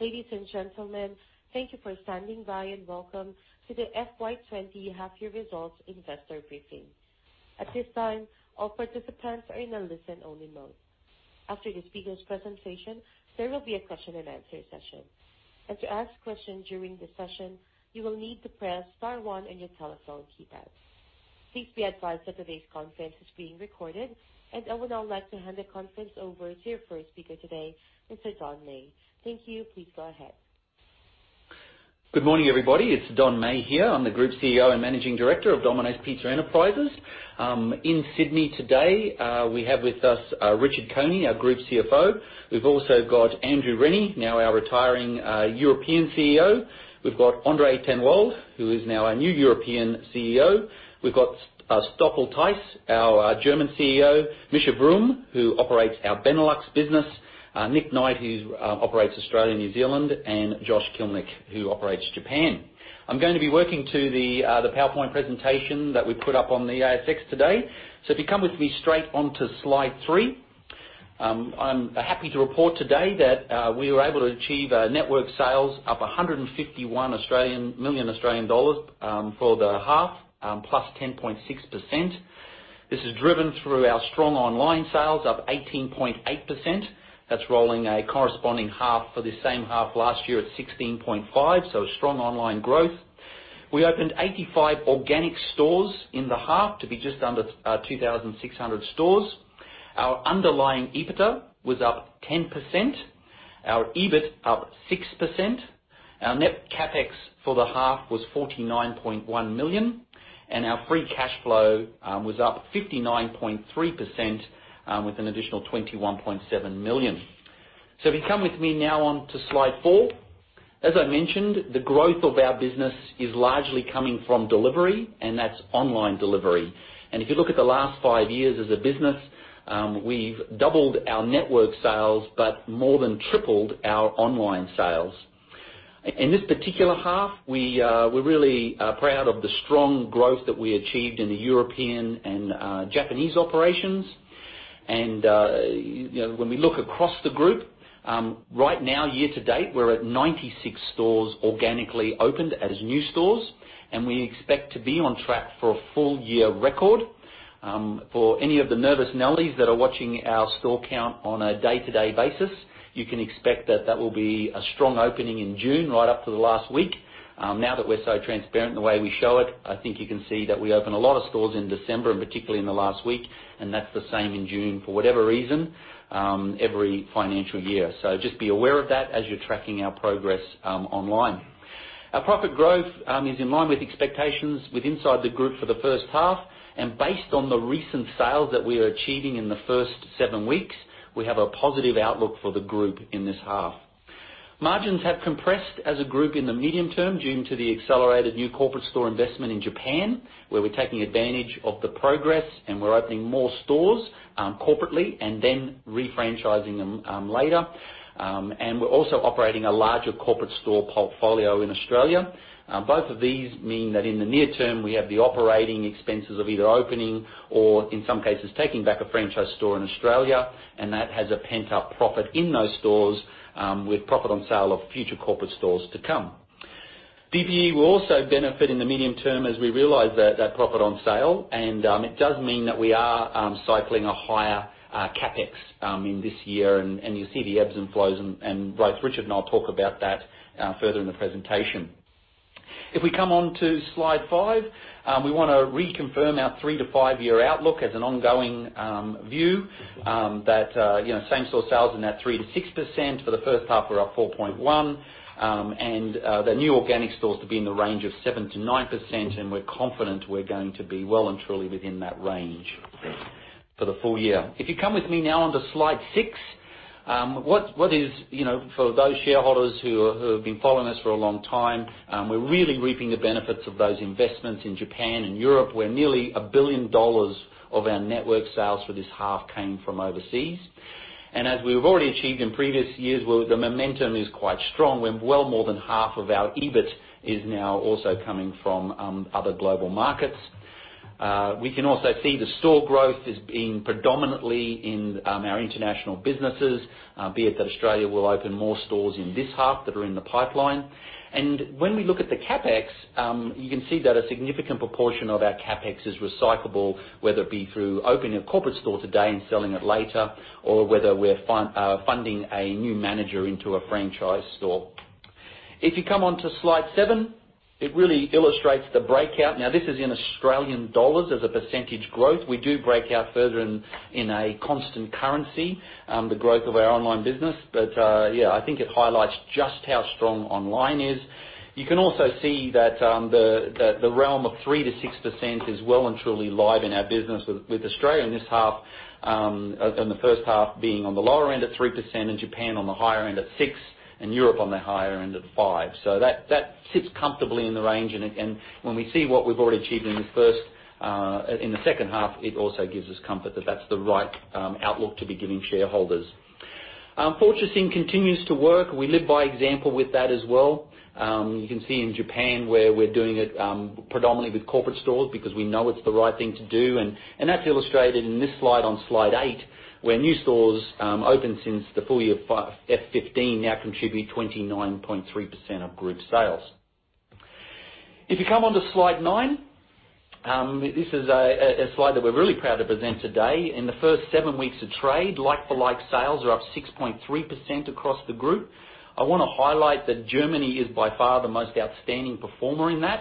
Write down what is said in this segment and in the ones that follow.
Ladies and gentlemen, thank you for standing by and welcome to the FY 2020 half-year results investor briefing. At this time, all participants are in a listen-only mode. After the speaker's presentation, there will be a question-and-answer session, and to ask questions during the session, you will need to press star one on your telephone keypad. Please be advised that today's conference is being recorded, and I would now like to hand the conference over to your first speaker today, Mr. Don Meij. Thank you. Please go ahead. Good morning, everybody. It's Don Meij here. I'm the Group CEO and Managing Director of Domino's Pizza Enterprises. In Sydney today, we have with us Richard Coney, our Group CFO. We've also got Andrew Rennie, now our retiring European CEO. We've got Andre Ten Wolde, who is now our new European CEO. We've got Stoffel Thijs, our German CEO, Misja Vroom, who operates our Benelux business, Nick Knight, who operates Australia and New Zealand, and Josh Kilimnik, who operates Japan. I'm going to be working to the PowerPoint presentation that we put up on the ASX today. So if you come with me straight onto slide three, I'm happy to report today that we were able to achieve network sales of 151 million Australian dollars for the half, plus 10.6%. This is driven through our strong online sales, up 18.8%. That's the rolling comparable half for the same half last year at 16.5%, so strong online growth. We opened 85 organic stores in the half to be just under 2,600 stores. Our underlying EBITDA was up 10%. Our EBIT up 6%. Our net CapEx for the half was 49.1 million. And our free cash flow was up 59.3% with an additional 21.7 million. So if you come with me now onto slide four, as I mentioned, the growth of our business is largely coming from delivery, and that's online delivery. And if you look at the last five years as a business, we've doubled our network sales but more than tripled our online sales. In this particular half, we're really proud of the strong growth that we achieved in the European and Japanese operations. And when we look across the group, right now, year-to date, we're at 96 stores organically opened as new stores, and we expect to be on track for a full-year record. For any of the nervous Nellies that are watching our store count on a day-to-day basis, you can expect that that will be a strong opening in June, right up to the last week. Now that we're so transparent in the way we show it, I think you can see that we open a lot of stores in December, and particularly in the last week, and that's the same in June for whatever reason every financial year. So just be aware of that as you're tracking our progress online. Our profit growth is in line with expectations within the group for the first half. Based on the recent sales that we are achieving in the first seven weeks, we have a positive outlook for the group in this half. Margins have compressed as a group in the medium term due to the accelerated new corporate store investment in Japan, where we're taking advantage of the progress, and we're opening more stores corporately and then refranchising them later. We're also operating a larger corporate store portfolio in Australia. Both of these mean that in the near term, we have the operating expenses of either opening or, in some cases, taking back a franchise store in Australia, and that has a pent-up profit in those stores with profit on sale of future corporate stores to come. DPE will also benefit in the medium term as we realize that profit on sale, and it does mean that we are cycling a higher CapEx in this year, and you'll see the ebbs and flows, and Richard and I'll talk about that further in the presentation. If we come on to slide five, we want to reconfirm our three-to-five-year outlook as an ongoing view that same-store sales in that 3%-6%. For the first half, we're up 4.1%, and the new organic stores to be in the range of 7%-9%, and we're confident we're going to be well and truly within that range for the full year. If you come with me now onto slide six, for those shareholders who have been following us for a long time, we're really reaping the benefits of those investments in Japan and Europe, where nearly 1 billion dollars of our network sales for this half came from overseas. And as we've already achieved in previous years, the momentum is quite strong when well more than half of our EBIT is now also coming from other global markets. We can also see the store growth is being predominantly in our international businesses, be it that Australia will open more stores in this half that are in the pipeline. When we look at the CapEx, you can see that a significant proportion of our CapEx is recyclable, whether it be through opening a corporate store today and selling it later, or whether we're funding a new manager into a franchise store. If you come onto slide seven, it really illustrates the breakout. Now, this is in AUD as a percentage growth. We do break out further in a constant currency, the growth of our online business. But yeah, I think it highlights just how strong online is. You can also see that the realm of 3%-6% is well and truly live in our business with Australia in this half, and the first half being on the lower end at 3%, and Japan on the higher end at 6%, and Europe on the higher end at 5%. That sits comfortably in the range. When we see what we've already achieved in the second half, it also gives us comfort that that's the right outlook to be giving shareholders. Fortressing continues to work. We live by example with that as well. You can see in Japan where we're doing it predominantly with corporate stores because we know it's the right thing to do. That's illustrated in this slide on slide eight, where new stores opened since the full year of F 15 now contribute 29.3% of group sales. If you come onto slide nine, this is a slide that we're really proud to present today. In the first seven weeks of trade, like-for-like sales are up 6.3% across the group. I want to highlight that Germany is by far the most outstanding performer in that,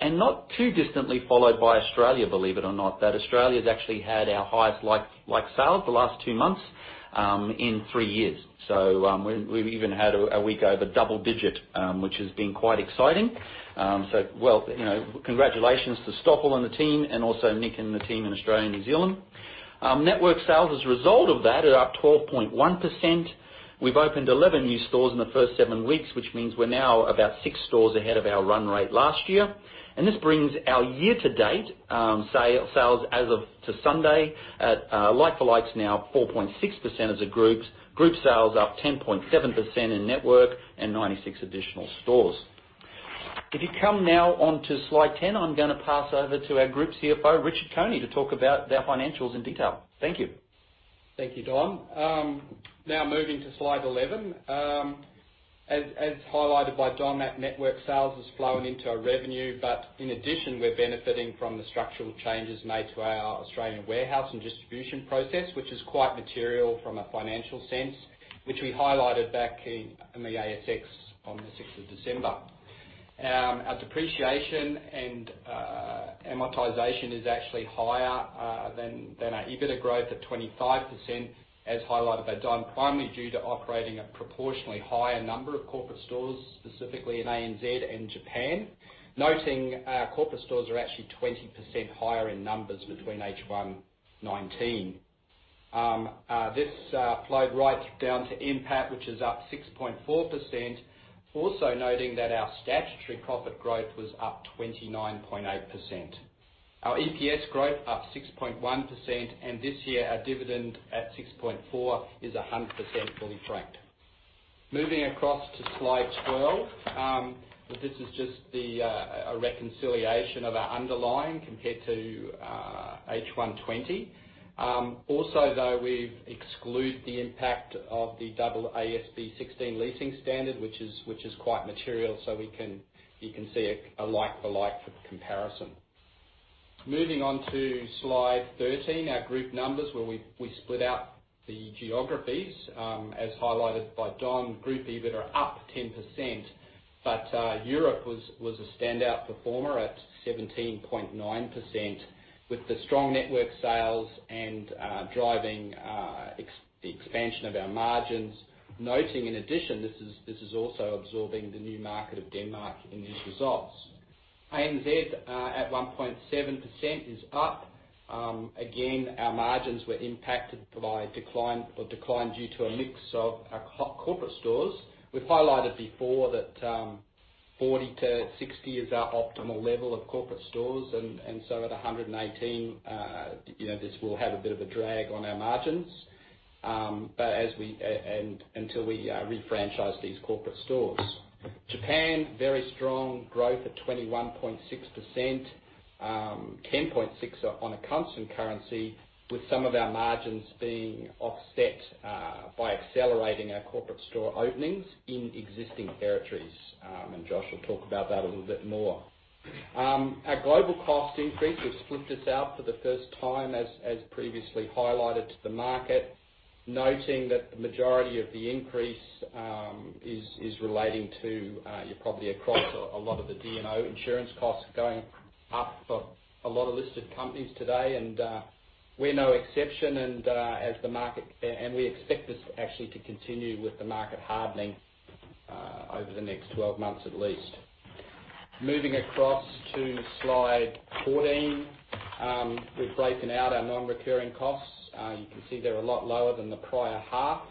and not too distantly followed by Australia, believe it or not, that Australia has actually had our highest like sales the last two months in three years, so we've even had a week over double-digit, which has been quite exciting, so well, congratulations to Stoffel and the team, and also Nick and the team in Australia and New Zealand. Network sales as a result of that are up 12.1%. We've opened 11 new stores in the first seven weeks, which means we're now about six stores ahead of our run rate last year, and this brings our year-to-date sales as of Sunday at like-for-likes now 4.6% as a group, group sales up 10.7% in network and 96 additional stores. If you come now onto slide 10, I'm going to pass over to our Group CFO, Richard Coney, to talk about their financials in detail. Thank you. Thank you, Don. Now moving to slide 11, as highlighted by Don, that network sales is flowing into our revenue, but in addition, we're benefiting from the structural changes made to our Australian warehouse and distribution process, which is quite material from a financial sense, which we highlighted back in the ASX on the 6th of December. Our depreciation and amortization is actually higher than our EBITDA growth at 25%, as highlighted by Don, primarily due to operating a proportionally higher number of corporate stores, specifically in ANZ and Japan, noting our corporate stores are actually 20% higher in numbers between H1 19. This flowed right down to NPAT, which is up 6.4%, also noting that our statutory profit growth was up 29.8%. Our EPS growth up 6.1%, and this year our dividend at 6.4 is 100% fully franked. Moving across to slide 12, this is just a reconciliation of our underlying compared to H1 2020. Also, though, we've excluded the impact of AASB 16 leasing standard, which is quite material, so you can see a like-for-like for comparison. Moving on to slide 13, our group numbers where we split out the geographies, as highlighted by Don, group EBITDA up 10%, but Europe was a standout performer at 17.9% with the strong network sales and driving the expansion of our margins, noting in addition, this is also absorbing the new market of Denmark in these results. ANZ at 1.7% is up. Again, our margins were impacted by decline due to a mix of our corporate stores. We've highlighted before that 40-60 is our optimal level of corporate stores, and so at 118, this will have a bit of a drag on our margins until we refranchise these corporate stores. Japan, very strong growth at 21.6%, 10.6% on a constant currency, with some of our margins being offset by accelerating our corporate store openings in existing territories, and Josh will talk about that a little bit more. Our global cost increase has flipped us out for the first time, as previously highlighted to the market, noting that the majority of the increase is relating to your property across a lot of the D&O insurance costs going up for a lot of listed companies today, and we're no exception, and we expect this actually to continue with the market hardening over the next 12 months at least. Moving across to slide 14, we've broken out our non-recurring costs. You can see they're a lot lower than the prior half,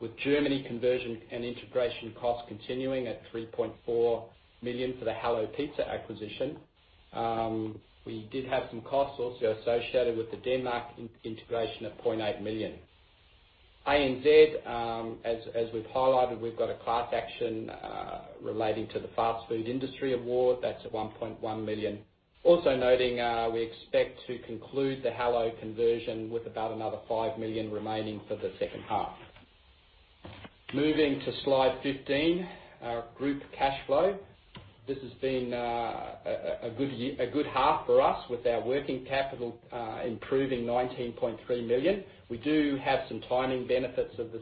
with Germany conversion and integration costs continuing at 3.4 million for the Hallo Pizza acquisition. We did have some costs also associated with the Denmark integration at 0.8 million. ANZ, as we've highlighted, we've got a class action relating to the Fast Food Industry Award. That's at 1.1 million. Also noting, we expect to conclude the Hallo conversion with about another 5 million remaining for the second half. Moving to slide 15, our group cash flow. This has been a good half for us with our working capital improving 19.3 million. We do have some timing benefits of the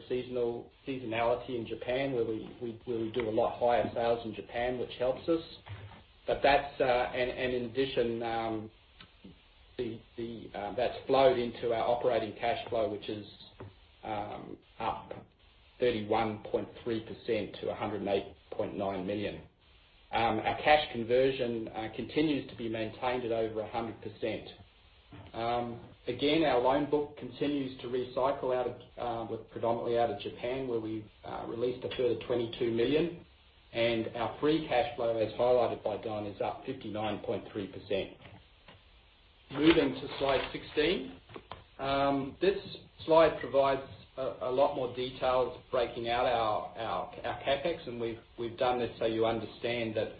seasonality in Japan, where we do a lot higher sales in Japan, which helps us. In addition, that's flowed into our operating cash flow, which is up 31.3% to 108.9 million. Our cash conversion continues to be maintained at over 100%. Again, our loan book continues to recycle predominantly out of Japan, where we released a further 22 million. And our free cash flow, as highlighted by Don, is up 59.3%. Moving to slide 16, this slide provides a lot more detail, breaking out our CapEx, and we've done this so you understand that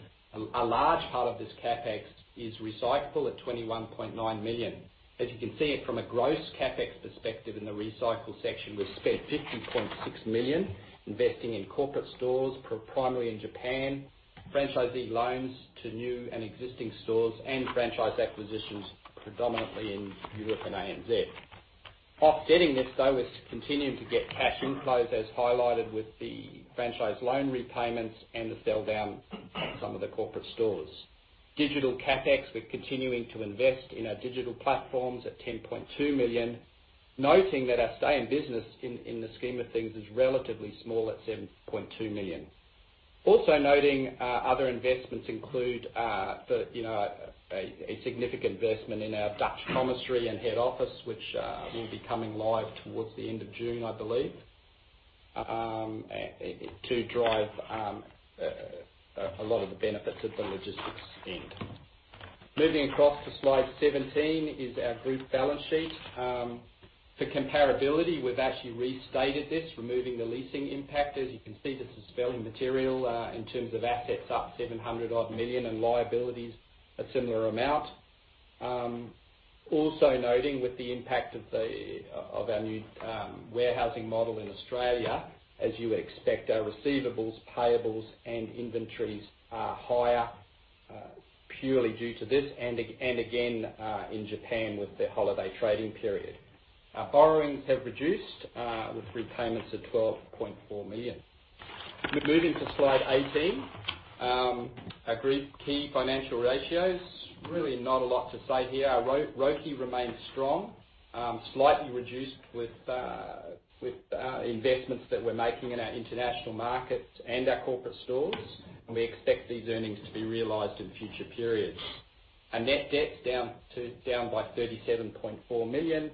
a large part of this CapEx is recyclable at 21.9 million. As you can see, from a gross CapEx perspective in the recycle section, we've spent 50.6 million investing in corporate stores primarily in Japan, franchisee loans to new and existing stores, and franchise acquisitions predominantly in Europe and ANZ. Offsetting this, though, is continuing to get cash inflows, as highlighted with the franchise loan repayments and the sell-down of some of the corporate stores. Digital CapEx, we're continuing to invest in our digital platforms at 10.2 million, noting that our stay in business in the scheme of things is relatively small at 7.2 million. Also noting, other investments include a significant investment in our Dutch commissary and head office, which will be coming live towards the end of June, I believe, to drive a lot of the benefits at the logistics end. Moving across to slide 17 is our group balance sheet. For comparability, we've actually restated this, removing the leasing impact. As you can see, this is fairly material in terms of assets up 700-odd million and liabilities a similar amount. Also noting, with the impact of our new warehousing model in Australia, as you would expect, our receivables, payables, and inventories are higher purely due to this, and again in Japan with the holiday trading period. Our borrowings have reduced with repayments at 12.4 million. Moving to slide 18, our group key financial ratios. Really not a lot to say here. Our ROCE remains strong, slightly reduced with investments that we're making in our international markets and our corporate stores, and we expect these earnings to be realized in future periods. Our net debt's down by 37.4 million,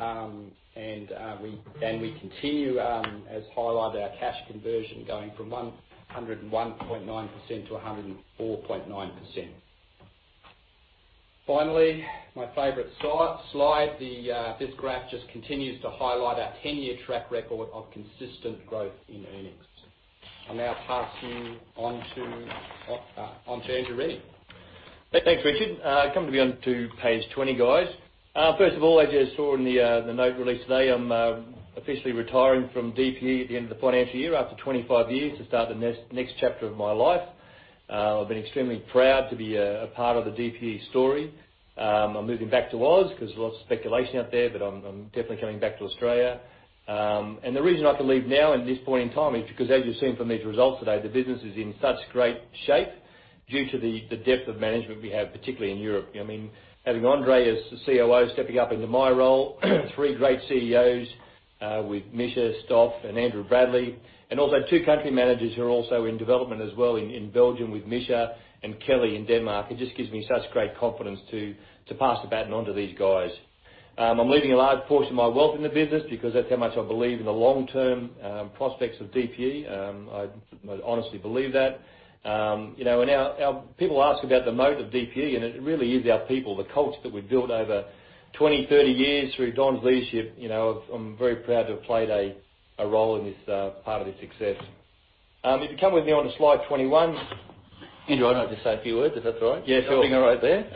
and we continue, as highlighted, our cash conversion going from 101.9%-104.9%. Finally, my favorite slide, this graph just continues to highlight our 10-year track record of consistent growth in earnings. I'll now pass you on to Andrew Rennie Thanks, Richard. Coming to be on to page 20, guys. First of all, as you saw in the note released today, I'm officially retiring from DPE at the end of the financial year after 25 years to start the next chapter of my life. I've been extremely proud to be a part of the DPE story. I'm moving back to Wales because there's lots of speculation out there, but I'm definitely coming back to Australia, and the reason I can leave now at this point in time is because, as you've seen from these results today, the business is in such great shape due to the depth of management we have, particularly in Europe. I mean, having Andre as COO stepping up into my role, three great CEOs with Misja, Stoffel, and Andrew Bradley, and also two country managers who are also in development as well in Belgium with Misja and Kellie in Denmark, it just gives me such great confidence to pass the baton on to these guys. I'm leaving a large portion of my wealth in the business because that's how much I believe in the long-term prospects of DPE. I honestly believe that. People ask about the moat of DPE, and it really is our people, the culture that we've built over 20, 30 years through Don's leadership. I'm very proud to have played a role in this part of the success. If you come with me on to slide 21. Andrew, I'd like to say a few words if that's all right. Yeah, sure. I'll ping her right there.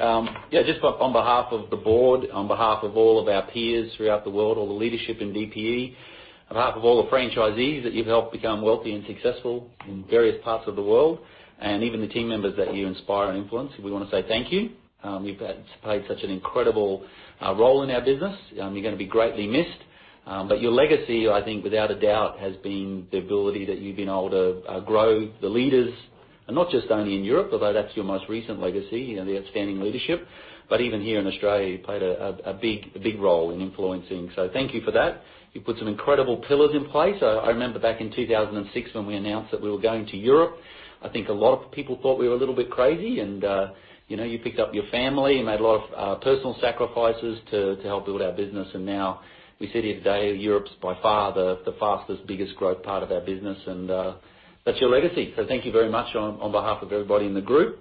Yeah, just on behalf of the board, on behalf of all of our peers throughout the world, all the leadership in DPE, on behalf of all the franchisees that you've helped become wealthy and successful in various parts of the world, and even the team members that you inspire and influence, we want to say thank you. You've played such an incredible role in our business. You're going to be greatly missed. But your legacy, I think, without a doubt, has been the ability that you've been able to grow the leaders, and not just only in Europe, although that's your most recent legacy, the outstanding leadership, but even here in Australia, you've played a big role in influencing. So thank you for that. You put some incredible pillars in place. I remember back in 2006 when we announced that we were going to Europe. I think a lot of people thought we were a little bit crazy, and you picked up your family and made a lot of personal sacrifices to help build our business, and now we sit here today. Europe's by far the fastest, biggest growth part of our business, and that's your legacy, so thank you very much on behalf of everybody in the group,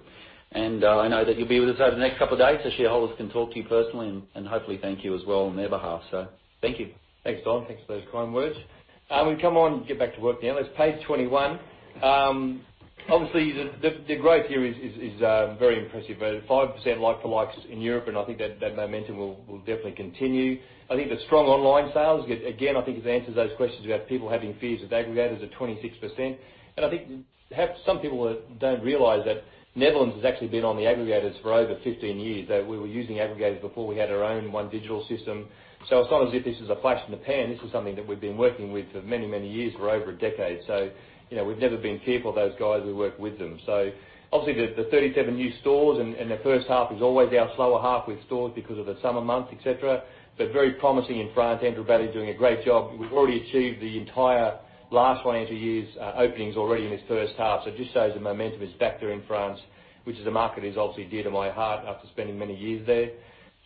and I know that you'll be with us over the next couple of days, so shareholders can talk to you personally and hopefully thank you as well on their behalf, so thank you. Thanks, Don. Thanks for those kind words. We'll come on and get back to work now. That's page 21. Obviously, the growth here is very impressive. 5% like-for-likes in Europe, and I think that momentum will definitely continue. I think the strong online sales, again, I think it answers those questions about people having fears of aggregators at 26%. And I think some people don't realize that Netherlands has actually been on the aggregators for over 15 years. We were using aggregators before we had our own OneDigital system. So it's not as if this is a flash in the pan. This is something that we've been working with for many, many years, for over a decade. So we've never been fearful of those guys who work with them. So obviously, the 37 new stores and the first half is always our slower half with stores because of the summer months, etc. But very promising in France. Andrew Bradley's doing a great job. We've already achieved the entire last financial year's openings already in this first half. So it just shows the momentum is back there in France, which is a market that is obviously dear to my heart after spending many years there.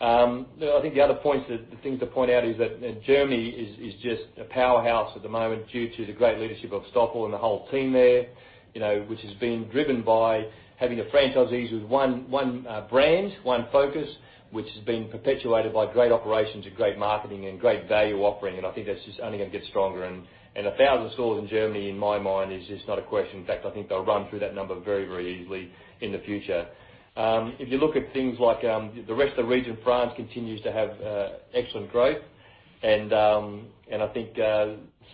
I think the other points, the things to point out is that Germany is just a powerhouse at the moment due to the great leadership of Stoffel and the whole team there, which has been driven by having the franchisees with one brand, one focus, which has been perpetuated by great operations, and great marketing, and great value offering. And I think that's just only going to get stronger. 1,000 stores in Germany, in my mind, is just not a question. In fact, I think they'll run through that number very, very easily in the future. If you look at things like the rest of the region, France continues to have excellent growth. I think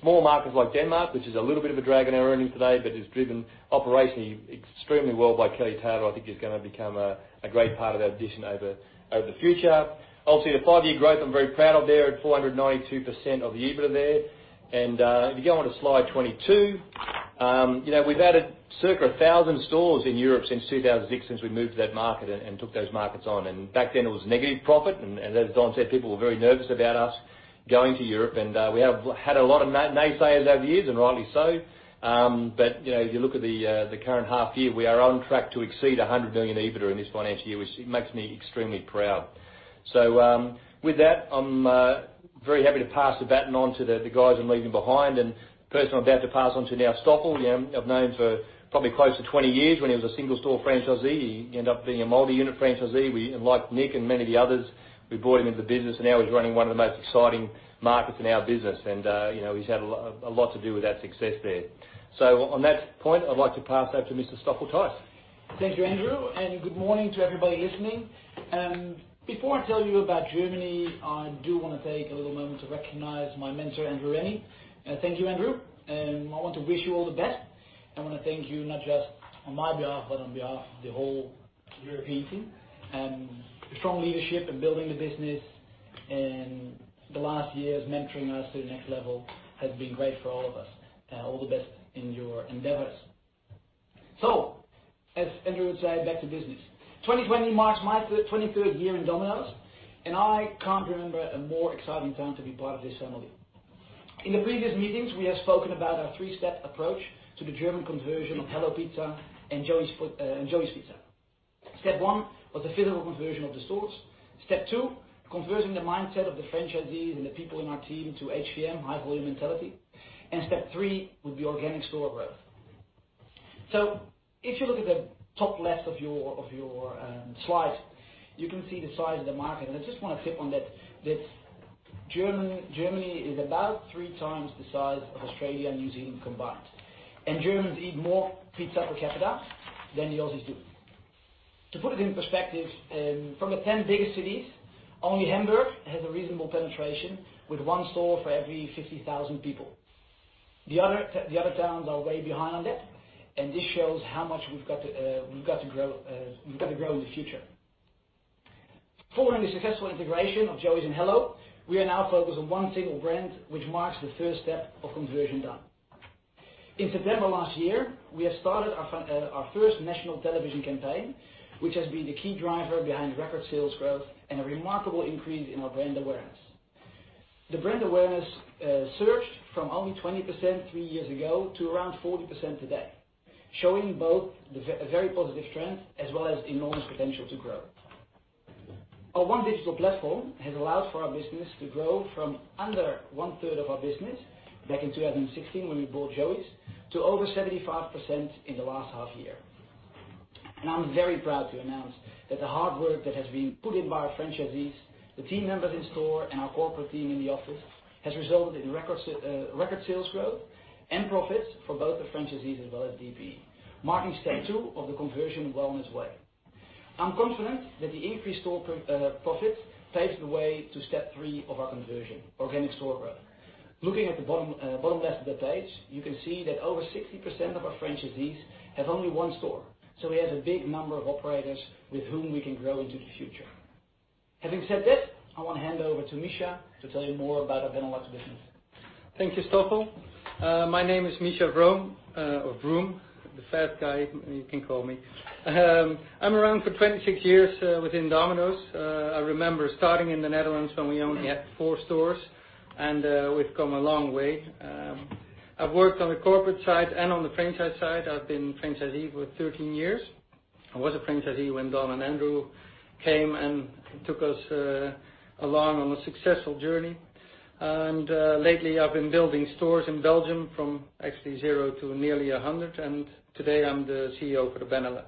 small markets like Denmark, which is a little bit of a drag in our earnings today, but is driven operationally extremely well by Kellie Taylor, I think, is going to become a great part of our addition over the future. Obviously, the five-year growth, I'm very proud of there at 492% of the EBITDA there. If you go on to slide 22, we've added circa 1,000 stores in Europe since 2006, since we moved to that market and took those markets on. Back then, it was negative profit. As Don said, people were very nervous about us going to Europe, and we have had a lot of naysayers over the years, and rightly so, but if you look at the current half year, we are on track to exceed 100 million EBITDA in this financial year, which makes me extremely proud, so with that, I'm very happy to pass the baton on to the guys I'm leaving behind, and the person I'm about to pass on to now, Stoffel, I've known for probably close to 20 years. When he was a single-store franchisee, he ended up being a multi-unit franchisee. We liked Nick and many of the others. We brought him into the business, and now he's running one of the most exciting markets in our business, and he's had a lot to do with that success there. So on that point, I'd like to pass that to Mr. Stoffel Thijs. Thank you, Andrew. And good morning to everybody listening. Before I tell you about Germany, I do want to take a little moment to recognize my mentor, Andrew Rennie. Thank you, Andrew. And I want to wish you all the best. I want to thank you not just on my behalf, but on behalf of the whole European team. And strong leadership in building the business and the last years mentoring us to the next level has been great for all of us. All the best in your endeavors. So, as Andrew would say, back to business. 2020 marks my 23rd year in Domino's, and I can't remember a more exciting time to be part of this family. In the previous meetings, we have spoken about our three-step approach to the German conversion of Hallo Pizza and Joey's Pizza. Step one was the physical conversion of the stores. Step two, converting the mindset of the franchisees and the people in our team to HVM, high-volume mentality. And step three would be organic store growth. So if you look at the top left of your slide, you can see the size of the market. And I just want to touch on that Germany is about three times the size of Australia and New Zealand combined. And Germans eat more pizza per capita than the Aussies do. To put it in perspective, from the 10 biggest cities, only Hamburg has a reasonable penetration with one store for every 50,000 people. The other towns are way behind on that, and this shows how much we've got to grow in the future. Following the successful integration of Joey's and Hallo, we are now focused on one single brand, which marks the first step of conversion done. In September last year, we have started our first national television campaign, which has been the key driver behind record sales growth and a remarkable increase in our brand awareness. The brand awareness surged from only 20% three years ago to around 40% today, showing both a very positive trend as well as enormous potential to grow. Our OneDigital platform has allowed for our business to grow from under one-third of our business back in 2016 when we bought Joey's to over 75% in the last half year. And I'm very proud to announce that the hard work that has been put in by our franchisees, the team members in store, and our corporate team in the office has resulted in record sales growth and profits for both the franchisees as well as DPE. Marking step two of the conversion wellness way. I'm confident that the increased store profits paves the way to step three of our conversion, organic store growth. Looking at the bottom left of the page, you can see that over 60% of our franchisees have only one store. So we have a big number of operators with whom we can grow into the future. Having said that, I want to hand over to Misja to tell you more about our Benelux business. Thank you, Stoffel. My name is Misja Vroom, the fat guy, you can call me. I'm around for 26 years within Domino's. I remember starting in the Netherlands when we only had four stores, and we've come a long way. I've worked on the corporate side and on the franchise side. I've been a franchisee for 13 years. I was a franchisee when Don and Andrew came and took us along on a successful journey, and lately, I've been building stores in Belgium from actually zero to nearly 100, and today I'm the CEO for the Benelux.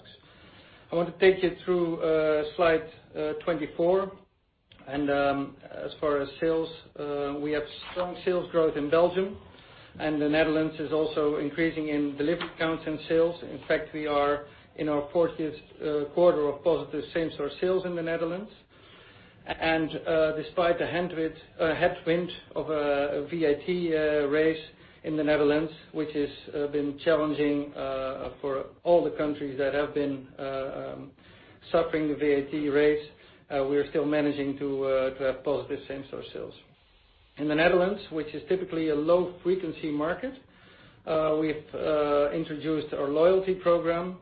I want to take you through slide 24. As far as sales, we have strong sales growth in Belgium, and the Netherlands is also increasing in delivery counts and sales. In fact, we are in our 40th quarter of positive same-store sales in the Netherlands. Despite the headwind of a VAT rate in the Netherlands, which has been challenging for all the countries that have been suffering the VAT rate, we're still managing to have positive same-store sales. In the Netherlands, which is typically a low-frequency market, we've introduced our loyalty program,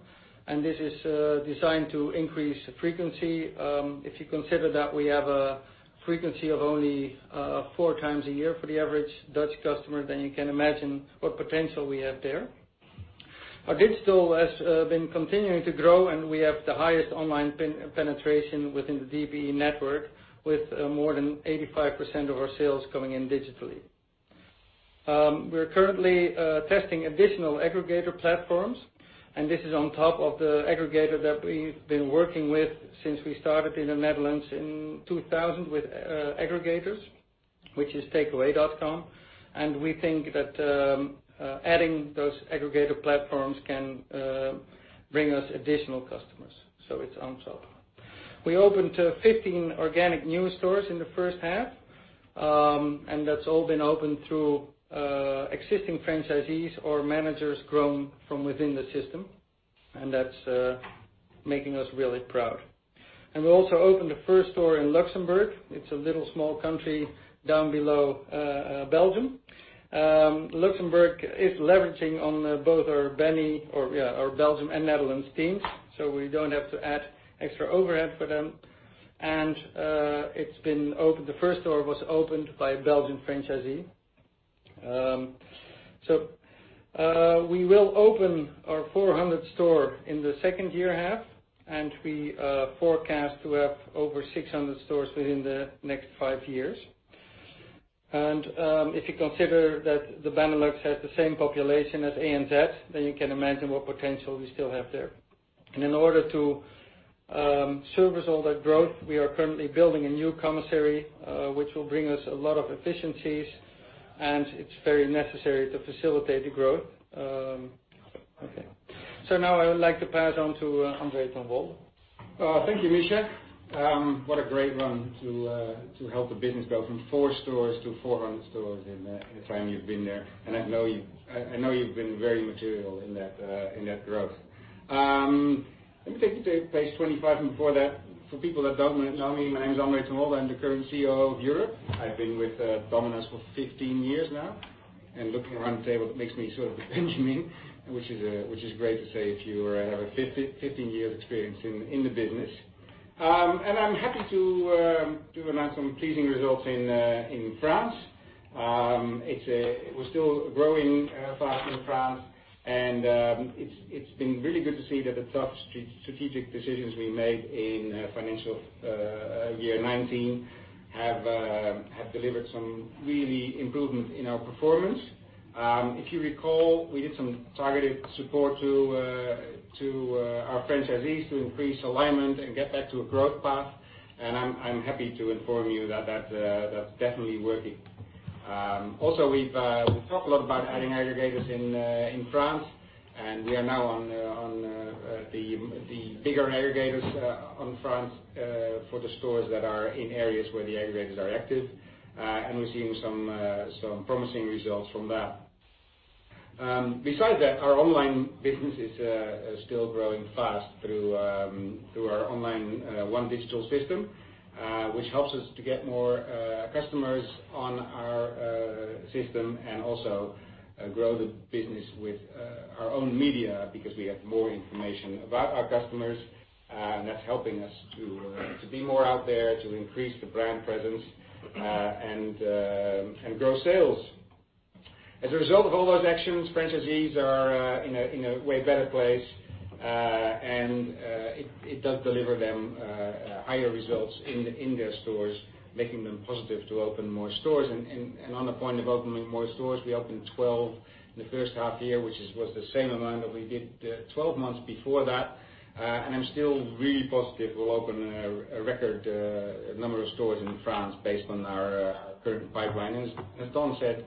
and this is designed to increase frequency. If you consider that we have a frequency of only four times a year for the average Dutch customer, then you can imagine what potential we have there. Our digital has been continuing to grow, and we have the highest online penetration within the DPE network, with more than 85% of our sales coming in digitally. We're currently testing additional aggregator platforms, and this is on top of the aggregator that we've been working with since we started in the Netherlands in 2000 with aggregators, which is Takeaway.com. And we think that adding those aggregator platforms can bring us additional customers. So it's on top. We opened 15 organic new stores in the first half, and that's all been opened through existing franchisees or managers grown from within the system. And that's making us really proud. And we also opened the first store in Luxembourg. It's a little small country down below Belgium. Luxembourg is leveraging on both our Belgian and Netherlands teams, so we don't have to add extra overhead for them. And the first store was opened by a Belgian franchisee. So we will open our 400th store in the second year half, and we forecast to have over 600 stores within the next five years. And if you consider that the Benelux has the same population as ANZ, then you can imagine what potential we still have there. And in order to service all that growth, we are currently building a new commissary, which will bring us a lot of efficiencies, and it's very necessary to facilitate the growth. Okay. So now I would like to pass on to Andre Ten Wolde. Thank you, Misja. What a great run to help the business grow from four stores to 400 stores in the time you've been there, and I know you've been very material in that growth. Let me take you to page 25. Before that, for people that don't know me, my name is Andre Ten Wolde. I'm the current CEO of Europe. I've been with Domino's for 15 years now. Looking around the table, it makes me sort of a Benjamin, which is great to say if you have a 15-year experience in the business. I'm happy to announce some pleasing results in France. It was still growing fast in France, and it's been really good to see that the tough strategic decisions we made in financial year 2019 have delivered some really improvements in our performance. If you recall, we did some targeted support to our franchisees to increase alignment and get back to a growth path, and I'm happy to inform you that that's definitely working. Also, we've talked a lot about adding aggregators in France, and we are now on the bigger aggregators in France for the stores that are in areas where the aggregators are active, and we're seeing some promising results from that. Besides that, our online business is still growing fast through our online OneDigital system, which helps us to get more customers on our system and also grow the business with our own media because we have more information about our customers, and that's helping us to be more out there, to increase the brand presence, and grow sales. As a result of all those actions, franchisees are in a way better place, and it does deliver them higher results in their stores, making them positive to open more stores. And on the point of opening more stores, we opened 12 in the first half year, which was the same amount that we did 12 months before that. And I'm still really positive we'll open a record number of stores in France based on our current pipeline. And as Don said,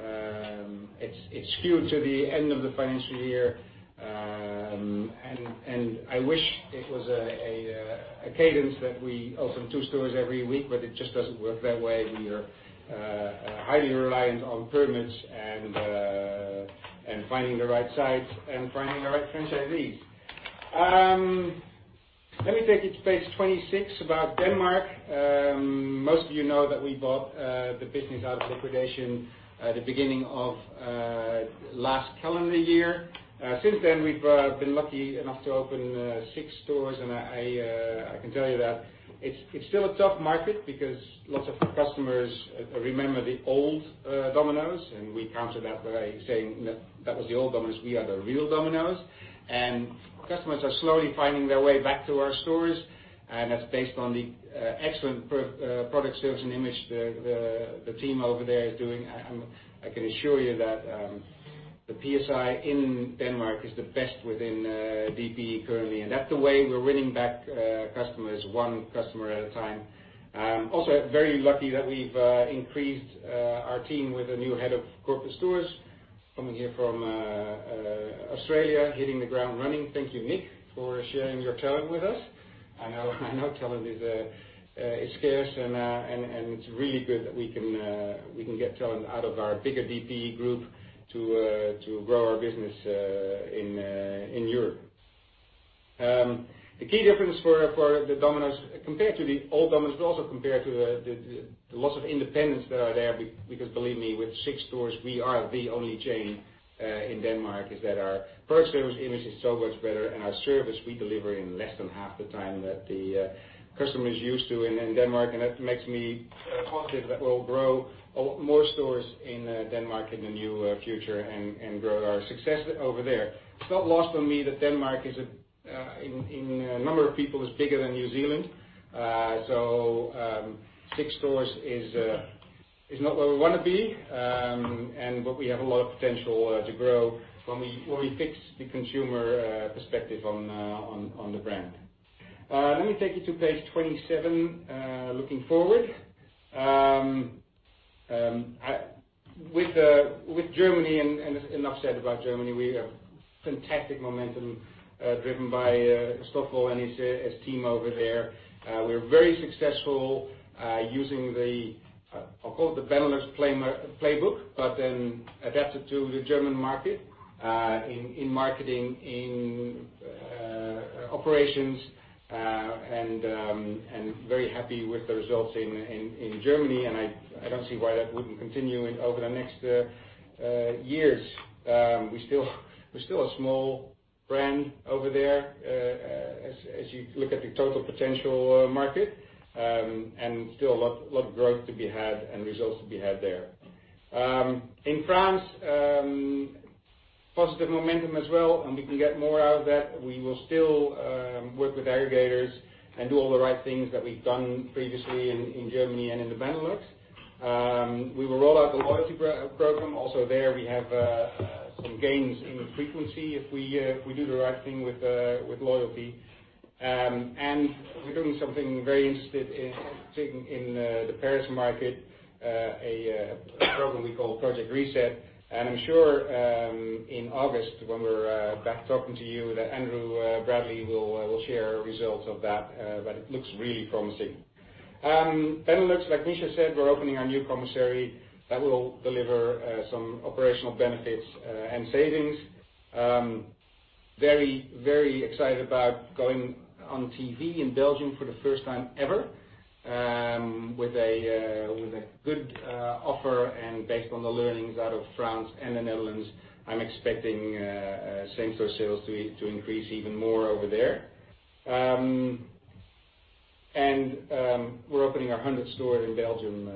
it's skewed to the end of the financial year. And I wish it was a cadence that we open two stores every week, but it just doesn't work that way. We are highly reliant on permits and finding the right sites and finding the right franchisees. Let me take you to page 26 about Denmark. Most of you know that we bought the business out of liquidation at the beginning of last calendar year. Since then, we've been lucky enough to open six stores, and I can tell you that it's still a tough market because lots of customers remember the old Domino's, and we counter that by saying that that was the old Domino's. We are the real Domino's, and customers are slowly finding their way back to our stores, and that's based on the excellent product service and image the team over there is doing. I can assure you that the PSI in Denmark is the best within DPE currently, and that's the way we're winning back customers, one customer at a time. Also, very lucky that we've increased our team with a new head of corporate stores coming here from Australia, hitting the ground running. Thank you, Nick, for sharing your talent with us. I know talent is scarce, and it's really good that we can get talent out of our bigger DPE group to grow our business in Europe. The key difference for the Domino's, compared to the old Domino's, but also compared to the loss of independence that are there, because believe me, with six stores, we are the only chain in Denmark that our product service image is so much better, and our service we deliver in less than half the time that the customers used to in Denmark, and that makes me positive that we'll grow more stores in Denmark in the near future and grow our success over there. It's not lost on me that Denmark is, in number of people, bigger than New Zealand. So six stores is not where we want to be, but we have a lot of potential to grow when we fix the consumer perspective on the brand. Let me take you to page 27, looking forward. With Germany, and enough said about Germany, we have fantastic momentum driven by Stoffel and his team over there. We were very successful using the, I'll call it the Benelux playbook, but then adapted to the German market in marketing, in operations, and very happy with the results in Germany. And I don't see why that wouldn't continue over the next years. We're still a small brand over there as you look at the total potential market, and still a lot of growth to be had and results to be had there. In France, positive momentum as well, and we can get more out of that. We will still work with aggregators and do all the right things that we've done previously in Germany and in the Benelux. We will roll out the loyalty program. Also there, we have some gains in frequency if we do the right thing with loyalty. And we're doing something very interesting in the Paris market, a program we call Project Reset. And I'm sure in August, when we're back talking to you, that Andrew Bradley will share results of that, but it looks really promising. Benelux, like Misja said, we're opening our new commissary that will deliver some operational benefits and savings. Very, very excited about going on TV in Belgium for the first time ever with a good offer. And based on the learnings out of France and the Netherlands, I'm expecting same-store sales to increase even more over there. We're opening our 100th store in Belgium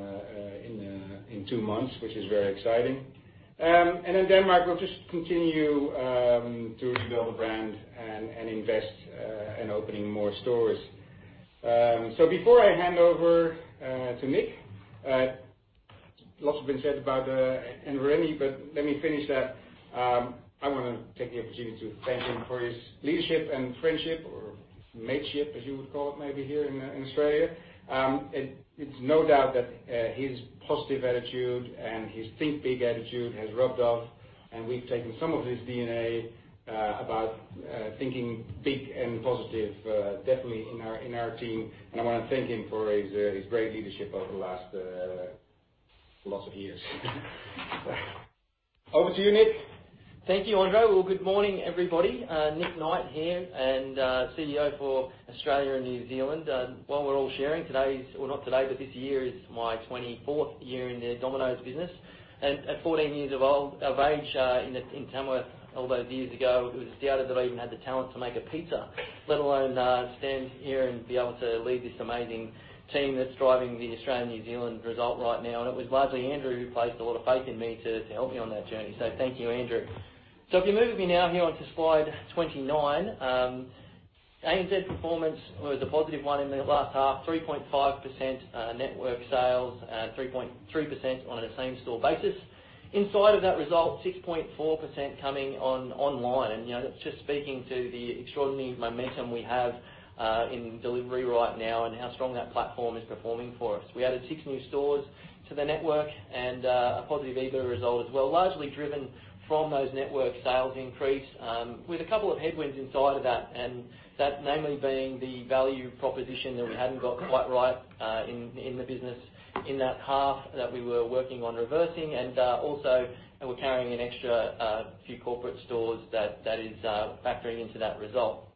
in two months, which is very exciting. In Denmark, we'll just continue to rebuild the brand and invest in opening more stores. Before I hand over to Nick, lots have been said about Andrew Rennie, but let me finish that. I want to take the opportunity to thank him for his leadership and friendship, or mateship, as you would call it maybe here in Australia. It's no doubt that his positive attitude and his think-big attitude has rubbed off, and we've taken some of his DNA about thinking big and positive, definitely in our team. I want to thank him for his great leadership over the last lots of years. Over to you, Nick. Thank you, Andre Ten Wolde. Good morning, everybody. Nick Knight here, and CEO for Australia and New Zealand. While we're all sharing, today's, well, not today, but this year is my 24th year in the Domino's business. And at 14 years of age in Tamworth, all those years ago, it was doubted that I even had the talent to make a pizza, let alone stand here and be able to lead this amazing team that's driving the Australia-New Zealand result right now. And it was largely Andrew who placed a lot of faith in me to help me on that journey. So thank you, Andrew. So if you move with me now here onto slide 29, ANZ's performance was a positive one in the last half: 3.5% network sales, 3.3% on a same-store basis. Inside of that result, 6.4% coming online. That's just speaking to the extraordinary momentum we have in delivery right now and how strong that platform is performing for us. We added six new stores to the network and a positive EBITDA result as well, largely driven from those network sales increase, with a couple of headwinds inside of that, and that namely being the value proposition that we hadn't got quite right in the business in that half that we were working on reversing. Also, we're carrying an extra few corporate stores that is factoring into that result.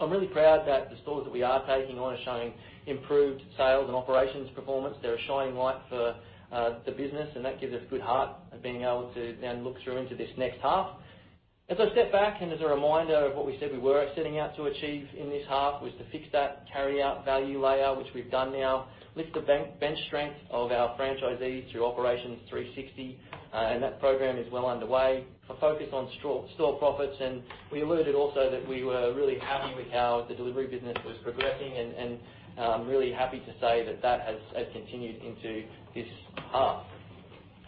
I'm really proud that the stores that we are taking on are showing improved sales and operations performance. They're a shining light for the business, and that gives us good heart of being able to then look through into this next half. As I step back and as a reminder of what we said we were setting out to achieve in this half was to fix that carryout value layer, which we've done now, lift the bench strength of our franchisees through Operations 360, and that program is well underway, a focus on store profits, and we alluded also that we were really happy with how the delivery business was progressing and really happy to say that that has continued into this half.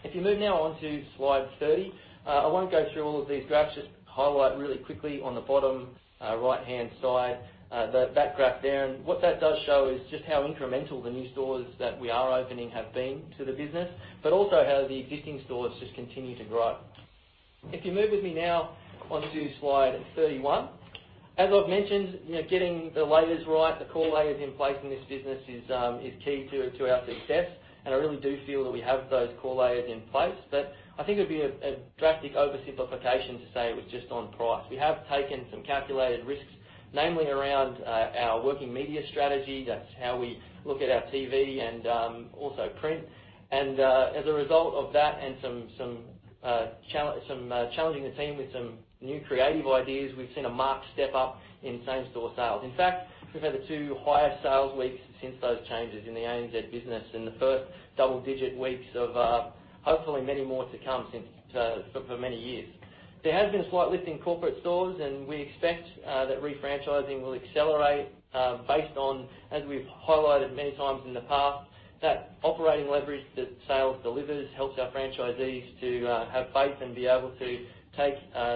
If you move now on to slide 30, I won't go through all of these graphs, just highlight really quickly on the bottom right-hand side that graph there, and what that does show is just how incremental the new stores that we are opening have been to the business, but also how the existing stores just continue to grow. If you move with me now onto slide 31, as I've mentioned, getting the layers right, the core layers in place in this business is key to our success. And I really do feel that we have those core layers in place, but I think it would be a drastic oversimplification to say it was just on price. We have taken some calculated risks, namely around our working media strategy. That's how we look at our TV and also print. And as a result of that and some challenging the team with some new creative ideas, we've seen a marked step up in same-store sales. In fact, we've had the two highest sales weeks since those changes in the ANZ business in the first double-digit weeks of hopefully many more to come for many years. There has been a slight lift in corporate stores, and we expect that refranchising will accelerate based on, as we've highlighted many times in the past, that operating leverage that sales delivers helps our franchisees to have faith and be able to take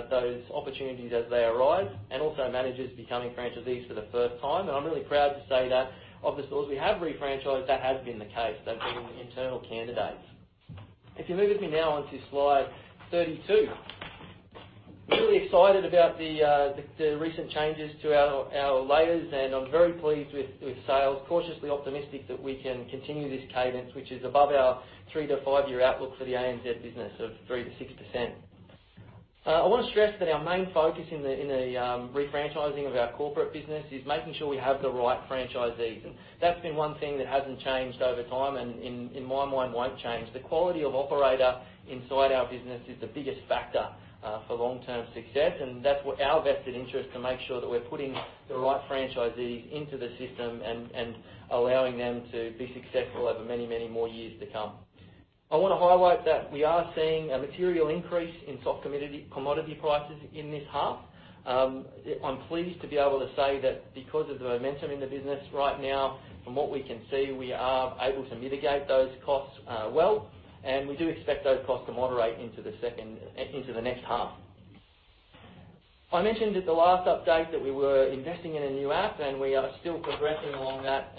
those opportunities as they arise, and also managers becoming franchisees for the first time, and I'm really proud to say that of the stores we have refranchised, that has been the case. They've been internal candidates. If you move with me now onto slide 32, we're really excited about the recent changes to our layers, and I'm very pleased with sales, cautiously optimistic that we can continue this cadence, which is above our three- to five-year outlook for the ANZ busineso of 3%-6%. I want to stress that our main focus in the refranchising of our corporate business is making sure we have the right franchisees, and that's been one thing that hasn't changed over time and in my mind won't change. The quality of operator inside our business is the biggest factor for long-term success, and that's our vested interest to make sure that we're putting the right franchisees into the system and allowing them to be successful over many, many more years to come. I want to highlight that we are seeing a material increase in soft commodity prices in this half. I'm pleased to be able to say that because of the momentum in the business right now, from what we can see, we are able to mitigate those costs well, and we do expect those costs to moderate into the next half. I mentioned at the last update that we were investing in a new app, and we are still progressing along that,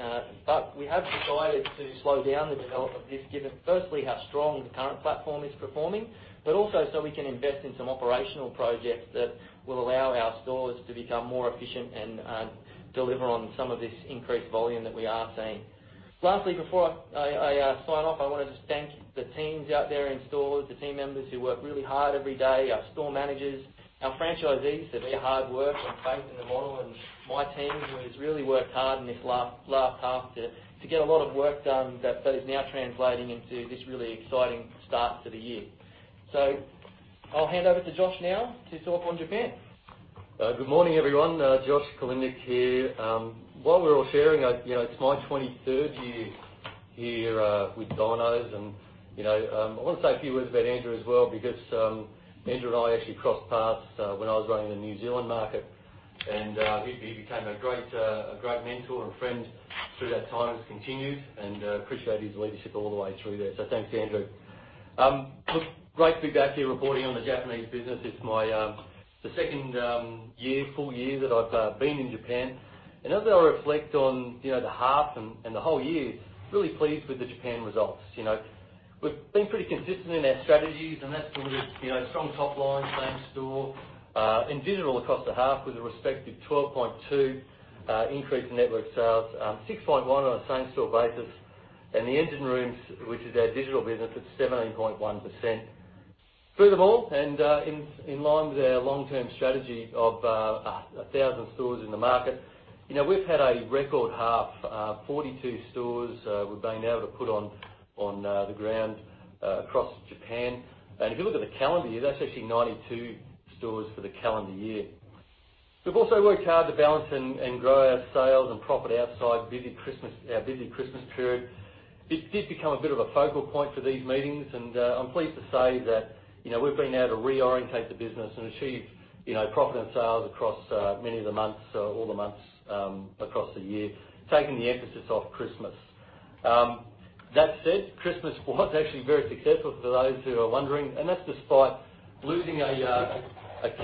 but we have decided to slow down the development of this given, firstly, how strong the current platform is performing, but also so we can invest in some operational projects that will allow our stores to become more efficient and deliver on some of this increased volume that we are seeing. Lastly, before I sign off, I want to just thank the teams out there in stores, the team members who work really hard every day, our store managers, our franchisees for their hard work and faith in the model, and my team who has really worked hard in this last half to get a lot of work done that is now translating into this really exciting start to the year. I'll hand over to Josh now to talk on Japan. Good morning, everyone. Josh Kilimnik here. While we're all sharing, it's my 23rd year here with Domino's. And I want to say a few words about Andrew as well because Andrew and I actually crossed paths when I was running the New Zealand market, and he became a great mentor and friend through that time and has continued, and I appreciate his leadership all the way through there. So thanks, Andrew. Great to be back here reporting on the Japanese business. It's my second full year that I've been in Japan. And as I reflect on the half and the whole year, really pleased with the Japan results. We've been pretty consistent in our strategies, and that's the strong top line, same-store, in general across the half with a respective 12.2% increase in network sales, 6.1% on a same-store basis, and the engine rooms, which is our digital business, at 17.1%. Through them all, and in line with our long-term strategy of 1,000 stores in the market, we've had a record half, 42 stores we've been able to put on the ground across Japan. If you look at the calendar year, that's actually 92 stores for the calendar year. We've also worked hard to balance and grow our sales and profit outside our busy Christmas period. It did become a bit of a focal point for these meetings, and I'm pleased to say that we've been able to reorient the business and achieve profit and sales across many of the months, all the months across the year, taking the emphasis off Christmas. That said, Christmas was actually very successful for those who are wondering, and that's despite losing a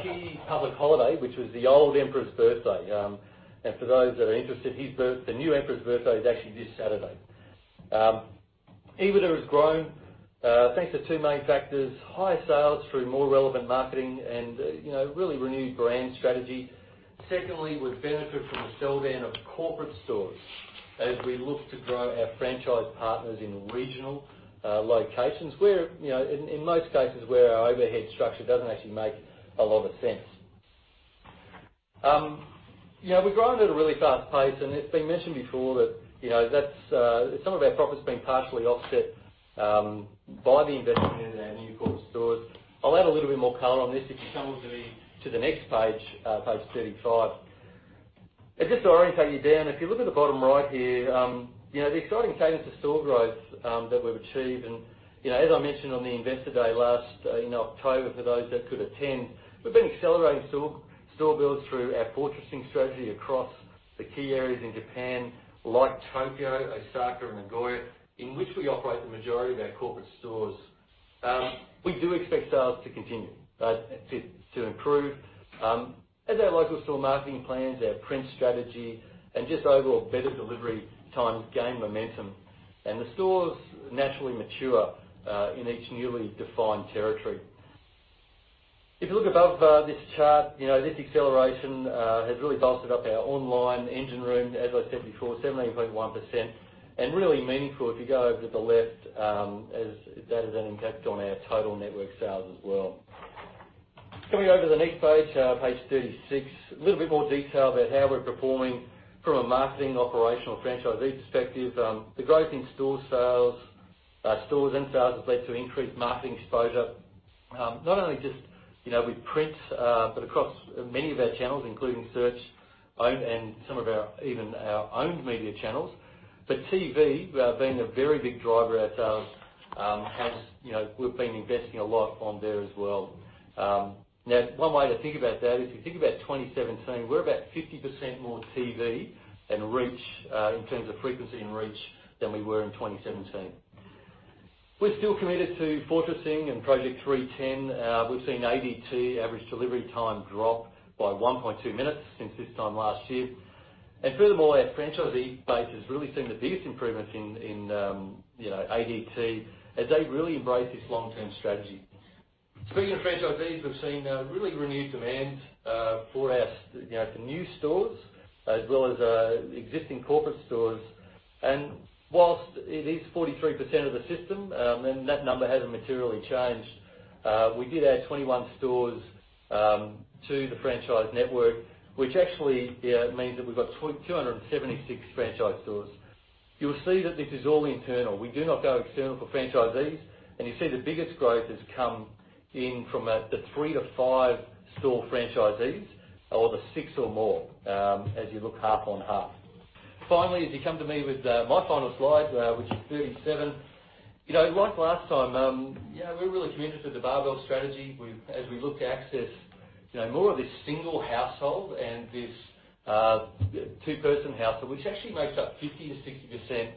key public holiday, which was the old Emperor's Birthday. For those that are interested, the new Emperor's Birthday is actually this Saturday. EBITDA has grown thanks to two main factors: high sales through more relevant marketing and really renewed brand strategy. Secondly, we've benefited from the sell-down of corporate stores as we look to grow our franchise partners in regional locations where, in most cases, where our overhead structure doesn't actually make a lot of sense. We've grown at a really fast pace, and it's been mentioned before that some of our profits have been partially offset by the investment in our new corporate stores. I'll add a little bit more color on this if you come over to the next page, page 35. And just to orient you down, if you look at the bottom right here, the exciting cadence of store growth that we've achieved, and as I mentioned on the investor day last October for those that could attend, we've been accelerating store builds through our fortressing strategy across the key areas in Japan like Tokyo, Osaka, and Nagoya, in which we operate the majority of our corporate stores. We do expect sales to continue, to improve, as our local store marketing plans, our print strategy, and just overall better delivery times gain momentum. The stores naturally mature in each newly defined territory. If you look above this chart, this acceleration has really bolstered up our online engine room, as I said before, 17.1%. Really meaningful if you go over to the left, as that has an impact on our total network sales as well. Coming over to the next page, page 36, a little bit more detail about how we're performing from a marketing, operational, franchisee perspective. The growth in store sales and sales has led to increased marketing exposure, not only just with print, but across many of our channels, including search and some of even our owned media channels. But TV, being a very big driver of our sales, we've been investing a lot on there as well. Now, one way to think about that is if you think about 2017, we're about 50% more TV and reach in terms of frequency and reach than we were in 2017. We're still committed to fortressing and Project 3TEN. We've seen ADT average delivery time drop by 1.2 minutes since this time last year. And furthermore, our franchisee base has really seen the biggest improvements in ADT as they really embrace this long-term strategy. Speaking of franchisees, we've seen really renewed demand for the new stores as well as existing corporate stores. And while it is 43% of the system, and that number hasn't materially changed, we did add 21 stores to the franchise network, which actually means that we've got 276 franchise stores. You'll see that this is all internal. We do not go external for franchisees, and you see the biggest growth has come in from the three to five-store franchisees or the six or more as you look half on half. Finally, as you come to me with my final slide, which is 37, like last time, we're really committed to the Barbell strategy as we look to access more of this single household and this two-person household, which actually makes up 50%-60%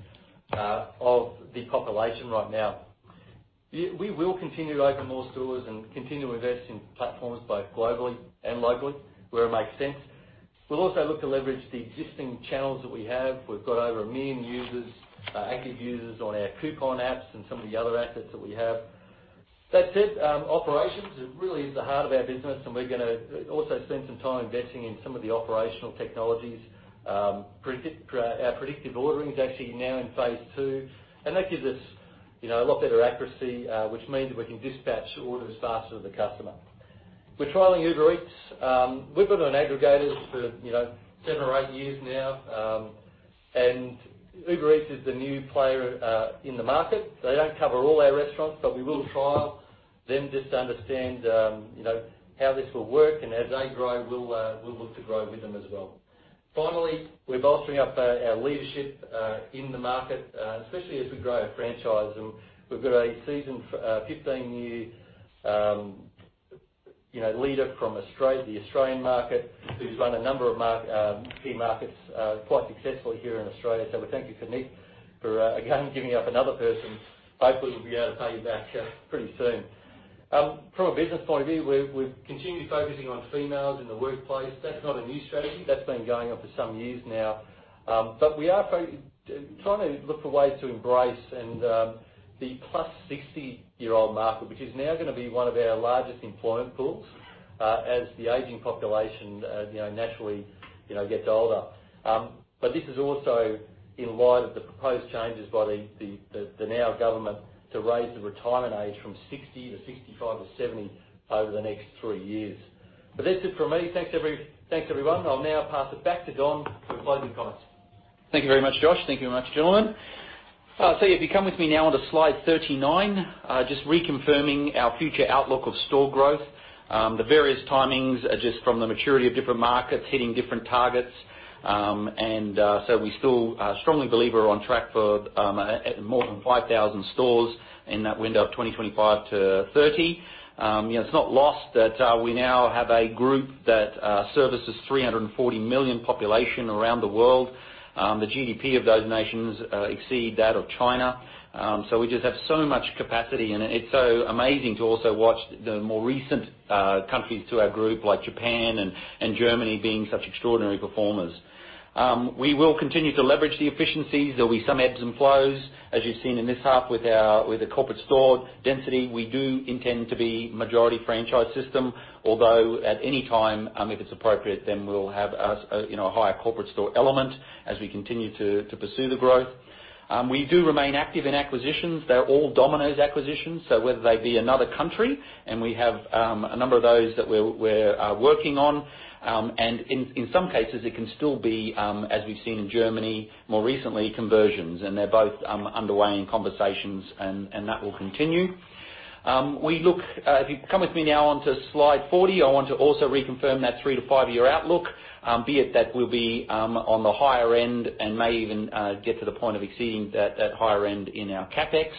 of the population right now. We will continue to open more stores and continue to invest in platforms both globally and locally where it makes sense. We'll also look to leverage the existing channels that we have. We've got over 1 million active users on our coupon apps and some of the other assets that we have. That said, operations really is the heart of our business, and we're going to also spend some time investing in some of the operational technologies. Our predictive ordering is actually now in phase two, and that gives us a lot better accuracy, which means that we can dispatch orders faster to the customer. We're trialing Uber Eats. We've been an aggregator for seven or eight years now, and Uber Eats is the new player in the market. They don't cover all our restaurants, but we will trial them just to understand how this will work, and as they grow, we'll look to grow with them as well. Finally, we're bolstering up our leadership in the market, especially as we grow our franchise. We've got a seasoned 15-year leader from the Australian market who's run a number of key markets quite successfully here in Australia. So we thank you, Sydney, for again giving up another person. Hopefully, we'll be able to pay you back pretty soon. From a business point of view, we've continued focusing on females in the workplace. That's not a new strategy. That's been going on for some years now. But we are trying to look for ways to embrace the plus 60-year-old market, which is now going to be one of our largest employment pools as the aging population naturally gets older. But this is also in light of the proposed changes by the new government to raise the retirement age from 60 to 65 to 70 over the next three years. But that's it from me. Thanks, everyone. I'll now pass it back to Don for closing comments. Thank you very much, Josh. Thank you very much, gentlemen. So if you come with me now onto slide 39, just reconfirming our future outlook of store growth. The various timings are just from the maturity of different markets hitting different targets. And so we still strongly believe we're on track for more than 5,000 stores in that window of 2025-2030. It's not lost that we now have a group that services 340 million population around the world. The GDP of those nations exceeds that of China. So we just have so much capacity, and it's so amazing to also watch the more recent countries to our group like Japan and Germany being such extraordinary performers. We will continue to leverage the efficiencies. There'll be some ebbs and flows, as you've seen in this half with the corporate store density. We do intend to be a majority franchise system, although at any time, if it's appropriate, then we'll have a higher corporate store element as we continue to pursue the growth. We do remain active in acquisitions. They're all Domino's acquisitions, so whether they be another country, and we have a number of those that we're working on. And in some cases, it can still be, as we've seen in Germany more recently, conversions, and they're both underway in conversations, and that will continue. If you come with me now onto slide 40, I want to also reconfirm that three-to-five-year outlook, be it that we'll be on the higher end and may even get to the point of exceeding that higher end in our CapEx,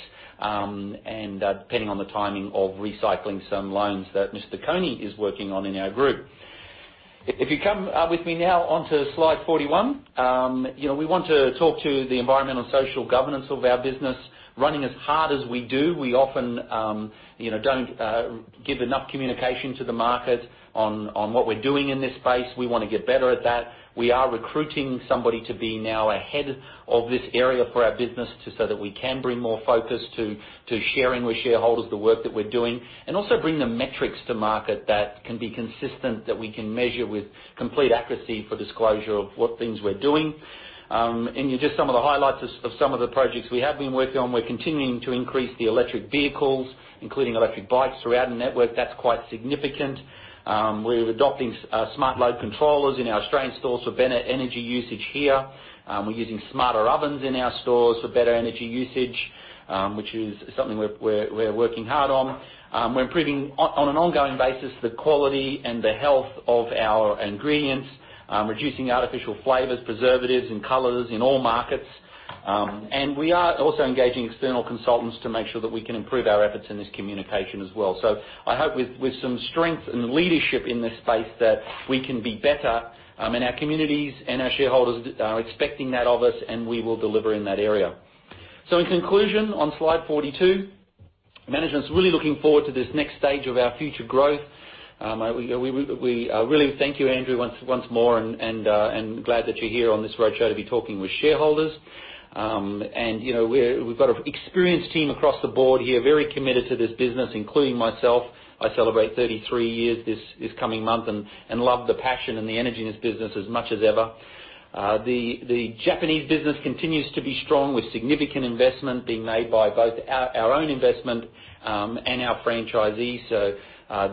and depending on the timing of recycling some loans that Mr. Coney is working on in our group. If you come with me now onto slide 41, we want to talk to the environmental and social governance of our business. Running as hard as we do, we often don't give enough communication to the market on what we're doing in this space. We want to get better at that. We are recruiting somebody to be now ahead of this area for our business so that we can bring more focus to sharing with shareholders the work that we're doing and also bring the metrics to market that can be consistent that we can measure with complete accuracy for disclosure of what things we're doing. And just some of the highlights of some of the projects we have been working on. We're continuing to increase the electric vehicles, including electric bikes, throughout the network. That's quite significant. We're adopting smart load controllers in our Australian stores for better energy usage here. We're using smarter ovens in our stores for better energy usage, which is something we're working hard on. We're improving on an ongoing basis the quality and the health of our ingredients, reducing artificial flavors, preservatives, and colors in all markets, and we are also engaging external consultants to make sure that we can improve our efforts in this communication as well, so I hope with some strength and leadership in this space that we can be better in our communities, and our shareholders are expecting that of us, and we will deliver in that area so in conclusion, on slide 42, management's really looking forward to this next stage of our future growth. We really thank you, Andrew, once more, and glad that you're here on this roadshow to be talking with shareholders. We've got an experienced team across the board here, very committed to this business, including myself. I celebrate 33 years this coming month and love the passion and the energy in this business as much as ever. The Japanese business continues to be strong, with significant investment being made by both our own investment and our franchisees. So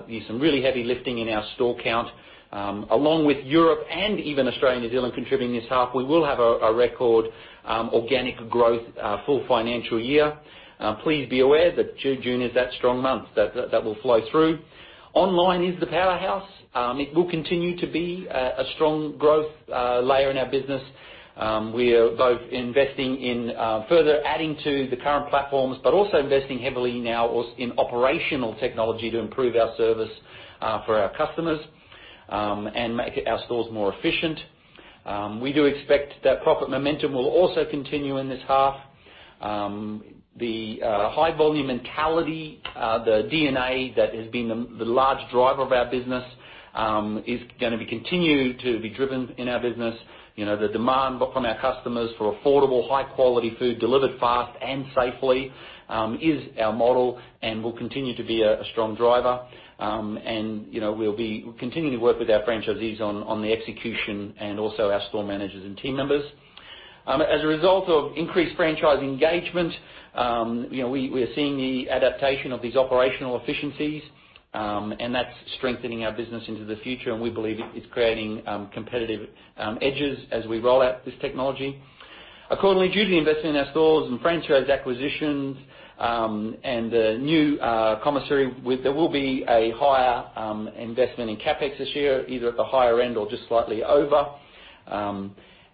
there's some really heavy lifting in our store count. Along with Europe and even Australia and New Zealand contributing this half, we will have a record organic growth full financial year. Please be aware that June is that strong month that will flow through. Online is the powerhouse. It will continue to be a strong growth layer in our business. We are both investing in further adding to the current platforms, but also investing heavily now in operational technology to improve our service for our customers and make our stores more efficient. We do expect that profit momentum will also continue in this half. The high-volume mentality, the DNA that has been the large driver of our business, is going to continue to be driven in our business. The demand from our customers for affordable, high-quality food delivered fast and safely is our model, and will continue to be a strong driver, and we'll be continuing to work with our franchisees on the execution and also our store managers and team members. As a result of increased franchise engagement, we are seeing the adaptation of these operational efficiencies, and that's strengthening our business into the future, and we believe it's creating competitive edges as we roll out this technology. Accordingly, due to the investment in our stores and franchise acquisitions and the new commissary, there will be a higher investment in CapEx this year, either at the higher end or just slightly over,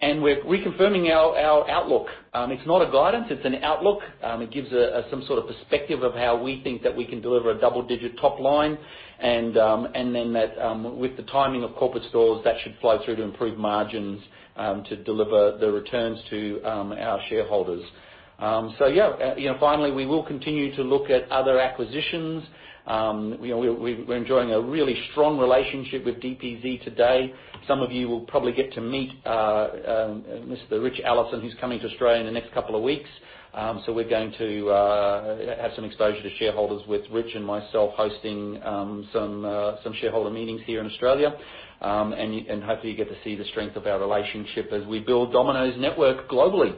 and we're reconfirming our outlook. It's not a guidance. It's an outlook. It gives some sort of perspective of how we think that we can deliver a double-digit top line, and then that with the timing of corporate stores, that should flow through to improve margins to deliver the returns to our shareholders, so yeah, finally, we will continue to look at other acquisitions. We're enjoying a really strong relationship with DPZ today. Some of you will probably get to meet Mr. Richard Allison, who's coming to Australia in the next couple of weeks, so we're going to have some exposure to shareholders with Rich and myself hosting some shareholder meetings here in Australia. And hopefully, you get to see the strength of our relationship as we build Domino's network globally.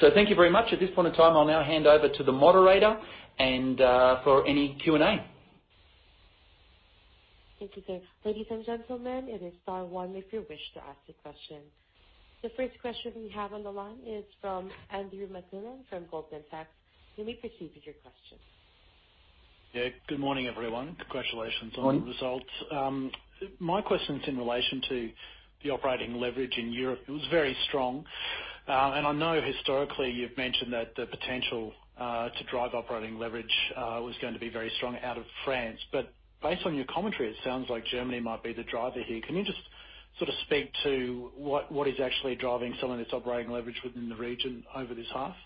So thank you very much. At this point in time, I'll now hand over to the moderator for any Q&A. Thank you, sir. Ladies and gentlemen, it is star one if you wish to ask a question. The first question we have on the line is from Andrew McLennan from Goldman Sachs. You may proceed with your question. Yeah. Good morning, everyone. Congratulations on the results. My question's in relation to the operating leverage in Europe. It was very strong, and I know historically you've mentioned that the potential to drive operating leverage was going to be very strong out of France, but based on your commentary, it sounds like Germany might be the driver here. Can you just sort of speak to what is actually driving some of this operating leverage within the region over this half?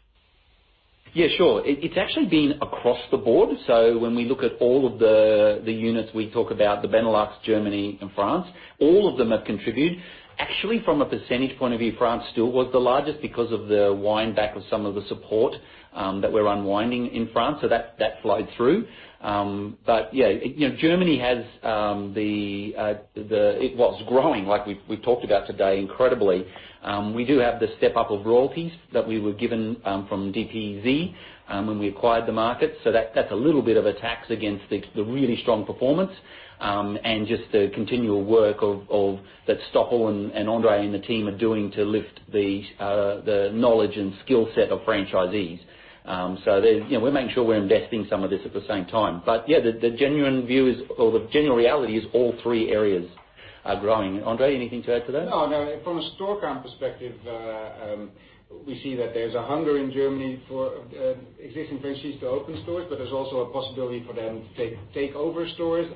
Yeah, sure. It's actually been across the board. So when we look at all of the units we talk about, the Benelux, Germany, and France, all of them have contributed. Actually, from a percentage point of view, France still was the largest because of the windback of some of the support that we're unwinding in France. So that flowed through. But yeah, Germany has the it was growing, like we've talked about today, incredibly. We do have the step-up of royalties that we were given from DPZ when we acquired the market. So that's a little bit of a tax against the really strong performance and just the continual work that Stoffel and Andre and the team are doing to lift the knowledge and skill set of franchisees. So we're making sure we're investing some of this at the same time. But yeah, the genuine view is, or the general reality is, all three areas are growing. Andre, anything to add to that? No, no. From a store-count perspective, we see that there's a hunger in Germany for existing franchise to open stores, but there's also a possibility for them to take over stores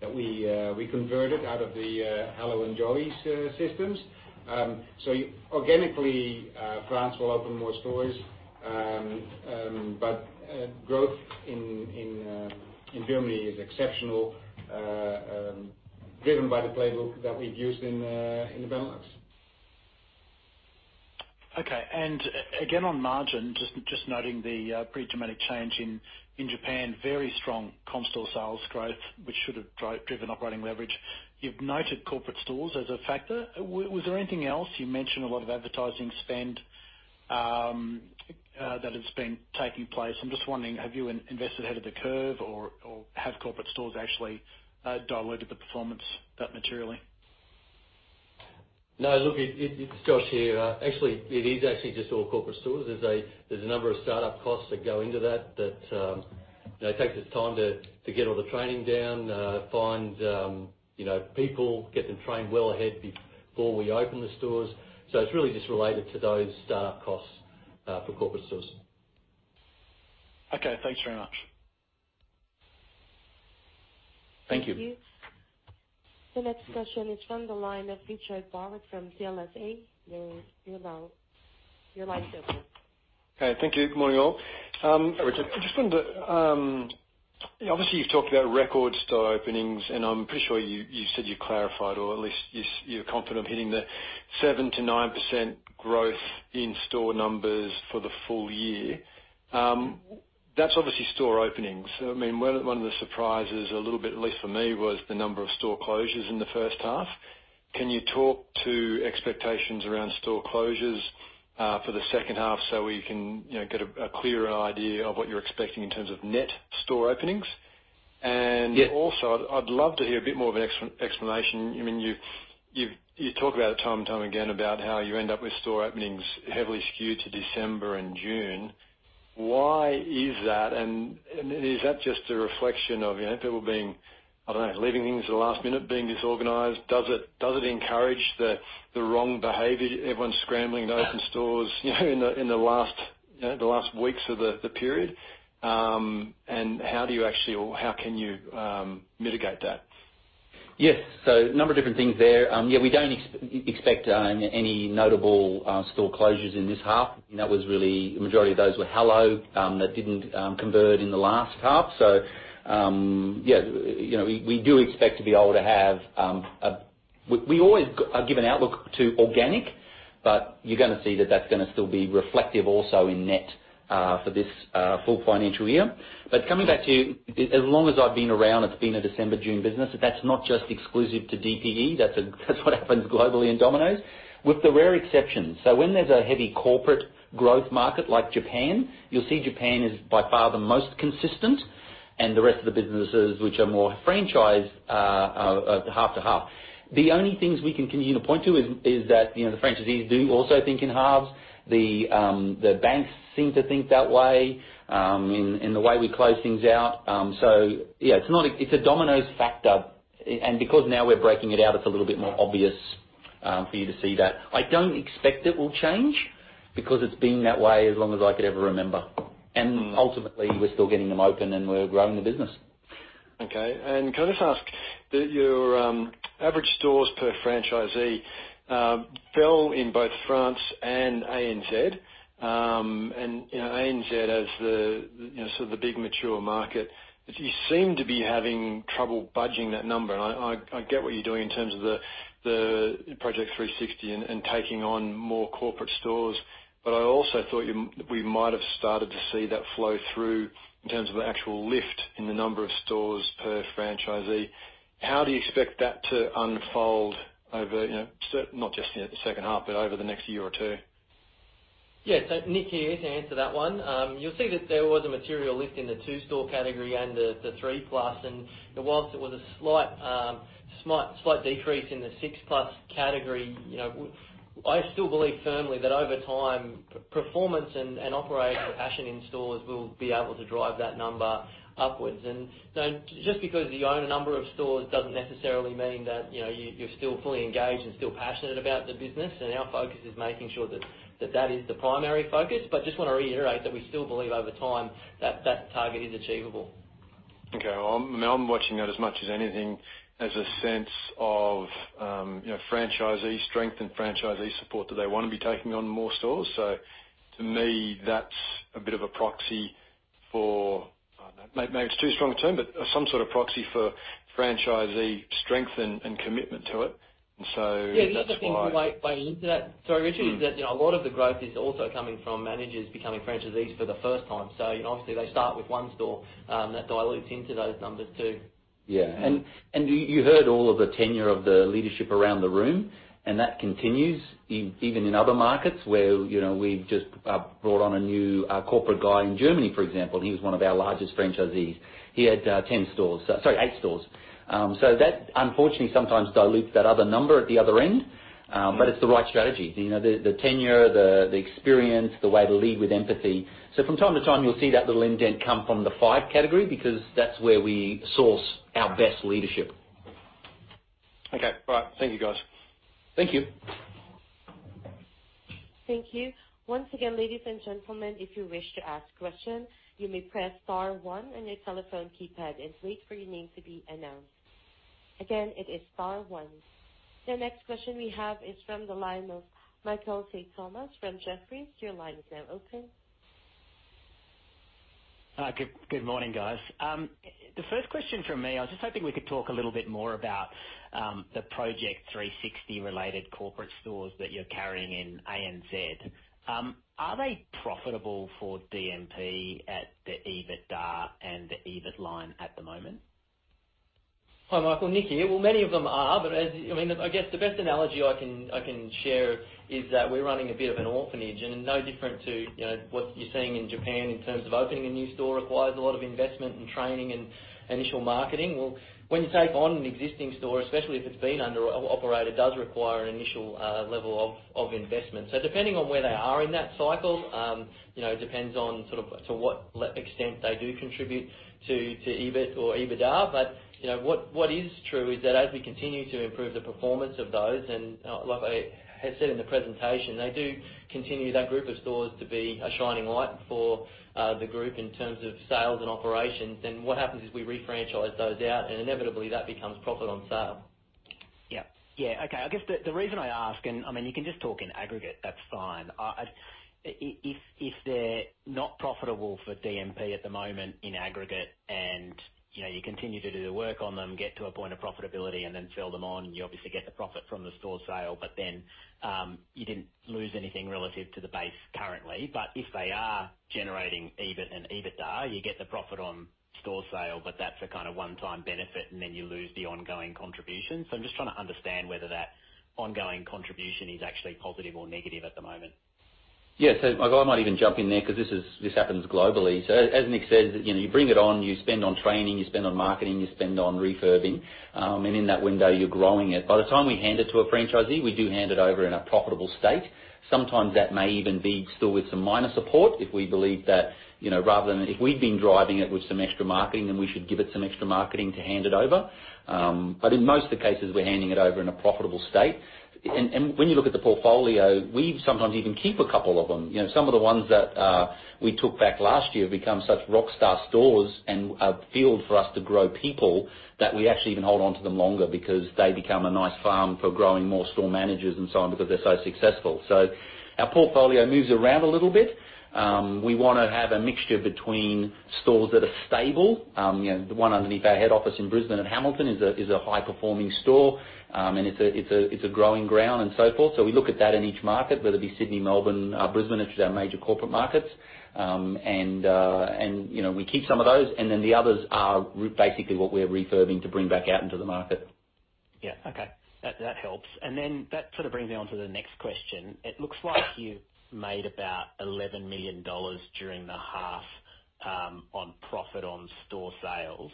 that we converted out of the Hallo and Joey's systems. So organically, France will open more stores, but growth in Germany is exceptional, driven by the playbook that we've used in the Benelux. Okay. And again, on margin, just noting the pretty dramatic change in Japan, very strong comp-store sales growth, which should have driven operating leverage. You've noted corporate stores as a factor. Was there anything else? You mentioned a lot of advertising spend that has been taking place. I'm just wondering, have you invested ahead of the curve, or have corporate stores actually diluted the performance that materially? No, look, it's Josh here. Actually, it is actually just all corporate stores. There's a number of startup costs that go into that that takes its time to get all the training down, find people, get them trained well ahead before we open the stores. So it's really just related to those startup costs for corporate stores. Okay. Thanks very much. Thank you. Thank you. The next question is from the line of Richard Barwick from CLSA. Your line's open. Okay. Thank you. Good morning, all. Richard, I just wanted to obviously, you've talked about record store openings, and I'm pretty sure you said you clarified, or at least you're confident of hitting the 7%-9% growth in store numbers for the full year. That's obviously store openings. I mean, one of the surprises, a little bit at least for me, was the number of store closures in the first half. Can you talk to expectations around store closures for the second half so we can get a clearer idea of what you're expecting in terms of net store openings? And also, I'd love to hear a bit more of an explanation. I mean, you talk about it time and time again about how you end up with store openings heavily skewed to December and June. Why is that? Is that just a reflection of people being, I don't know, leaving things at the last minute, being disorganized? Does it encourage the wrong behavior? Everyone's scrambling to open stores in the last weeks of the period. How do you actually or how can you mitigate that? Yes. So a number of different things there. Yeah, we don't expect any notable store closures in this half. The majority of those were Hallo that didn't convert in the last half. So yeah, we do expect to be able to have a we always give an outlook to organic, but you're going to see that that's going to still be reflective also in net for this full financial year. But coming back to, as long as I've been around, it's been a December, June business. That's not just exclusive to DPZ. That's what happens globally in Domino's, with the rare exceptions. So when there's a heavy corporate growth market like Japan, you'll see Japan is by far the most consistent, and the rest of the businesses, which are more franchised, are half to half. The only things we can continue to point to is that the franchisees do also think in halves. The banks seem to think that way in the way we close things out. So yeah, it's a Domino's factor. And because now we're breaking it out, it's a little bit more obvious for you to see that. I don't expect it will change because it's been that way as long as I can remember. And ultimately, we're still getting them open, and we're growing the business. Okay. And can I just ask that your average stores per franchisee fell in both France and ANZ? And ANZ, as sort of the big mature market, you seem to be having trouble budging that number. And I get what you're doing in terms of the Operations 360 and taking on more corporate stores. But I also thought we might have started to see that flow through in terms of the actual lift in the number of stores per franchisee. How do you expect that to unfold over not just the second half, but over the next year or two? Yeah. So Nick here to answer that one. You'll see that there was a material lift in the two-store category and the three-plus. And while it was a slight decrease in the six-plus category, I still believe firmly that over time, performance and operating passion in stores will be able to drive that number upwards. And just because you own a number of stores doesn't necessarily mean that you're still fully engaged and still passionate about the business. And our focus is making sure that that is the primary focus. But I just want to reiterate that we still believe over time that that target is achievable. Okay. I mean, I'm watching that as much as anything as a sense of franchisee strength and franchisee support that they want to be taking on more stores. So to me, that's a bit of a proxy for maybe it's too strong a term, but some sort of proxy for franchisee strength and commitment to it. And so it's a high. Yeah. The other thing, but sorry, Richard, is that a lot of the growth is also coming from managers becoming franchisees for the first time. So obviously, they start with one store. That dilutes into those numbers too. Yeah. And you heard all of the tenure of the leadership around the room, and that continues even in other markets where we've just brought on a new corporate guy in Germany, for example. He was one of our largest franchisees. He had 10 stores - sorry, eight stores. So that, unfortunately, sometimes dilutes that other number at the other end, but it's the right strategy. The tenure, the experience, the way to lead with empathy. So from time to time, you'll see that little indent come from the five category because that's where we source our best leadership. Okay. All right. Thank you, guys. Thank you. Thank you. Once again, ladies and gentlemen, if you wish to ask a question, you may press star one on your telephone keypad and wait for your name to be announced. Again, it is star one. The next question we have is from the line of Michael Simotas from Jefferies. Your line is now open. Good morning, guys. The first question for me, I was just hoping we could talk a little bit more about the Operations 360-related corporate stores that you're carrying in ANZ. Are they profitable for DPE at the EBITDA and the EBIT line at the moment? Hi, Michael. Nick here, well, many of them are, but I guess the best analogy I can share is that we're running a bit of an orphanage. And no different to what you're seeing in Japan in terms of opening a new store requires a lot of investment and training and initial marketing. Well, when you take on an existing store, especially if it's been under operated, it does require an initial level of investment. So depending on where they are in that cycle, it depends on sort of to what extent they do contribute to EBIT or EBITDA. But what is true is that as we continue to improve the performance of those, and like I said in the presentation, they do continue that group of stores to be a shining light for the group in terms of sales and operations. What happens is we refranchise those out, and inevitably, that becomes profit on sale. Yeah. Yeah. Okay. I guess the reason I ask, and I mean, you can just talk in aggregate. That's fine. If they're not profitable for DPE at the moment in aggregate and you continue to do the work on them, get to a point of profitability, and then sell them on, you obviously get the profit from the store sale, but then you didn't lose anything relative to the base currently. But if they are generating EBIT and EBITDA, you get the profit on store sale, but that's a kind of one-time benefit, and then you lose the ongoing contribution. So I'm just trying to understand whether that ongoing contribution is actually positive or negative at the moment. Yeah. So I might even jump in there because this happens globally. So as Nick said, you bring it on, you spend on training, you spend on marketing, you spend on refurbing, and in that window, you're growing it. By the time we hand it to a franchisee, we do hand it over in a profitable state. Sometimes that may even be still with some minor support if we believe that rather than if we've been driving it with some extra marketing, then we should give it some extra marketing to hand it over. But in most of the cases, we're handing it over in a profitable state. And when you look at the portfolio, we sometimes even keep a couple of them. Some of the ones that we took back last year have become such rockstar stores and a field for us to grow people, that we actually even hold on to them longer because they become a nice farm for growing more store managers and so on because they're so successful, so our portfolio moves around a little bit. We want to have a mixture between stores that are stable. The one underneath our head office in Brisbane at Hamilton is a high-performing store, and it's a growing ground and so forth, so we look at that in each market, whether it be Sydney, Melbourne, Brisbane, which are our major corporate markets, and we keep some of those, and then the others are basically what we're refurbing to bring back out into the market. Yeah. Okay. That helps. And then that sort of brings me on to the next question. It looks like you made about 11 million dollars during the half on profit on store sales.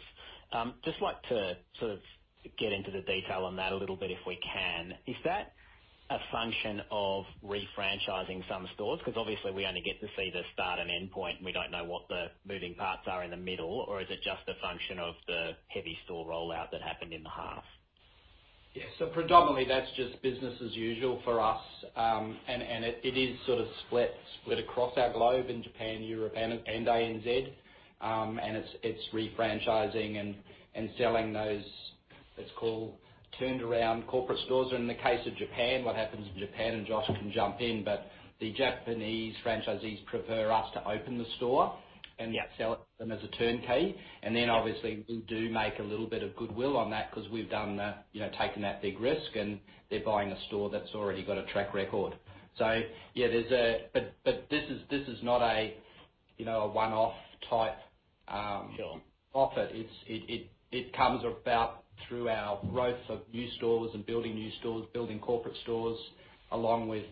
Just like to sort of get into the detail on that a little bit if we can. Is that a function of refranchising some stores? Because obviously, we only get to see the start and end point, and we don't know what the moving parts are in the middle, or is it just a function of the heavy store rollout that happened in the half? Yeah. So predominantly, that's just business as usual for us. And it is sort of split across our globe in Japan, Europe, and ANZ. And it's refranchising and selling those, let's call, turned-around corporate stores. And in the case of Japan, what happens in Japan, and Josh can jump in, but the Japanese franchisees prefer us to open the store and sell it to them as a turnkey. And then obviously, we do make a little bit of goodwill on that because we've taken that big risk, and they're buying a store that's already got a track record. So yeah, but this is not a one-off type profit. It comes about through our growth of new stores and building new stores, building corporate stores, along with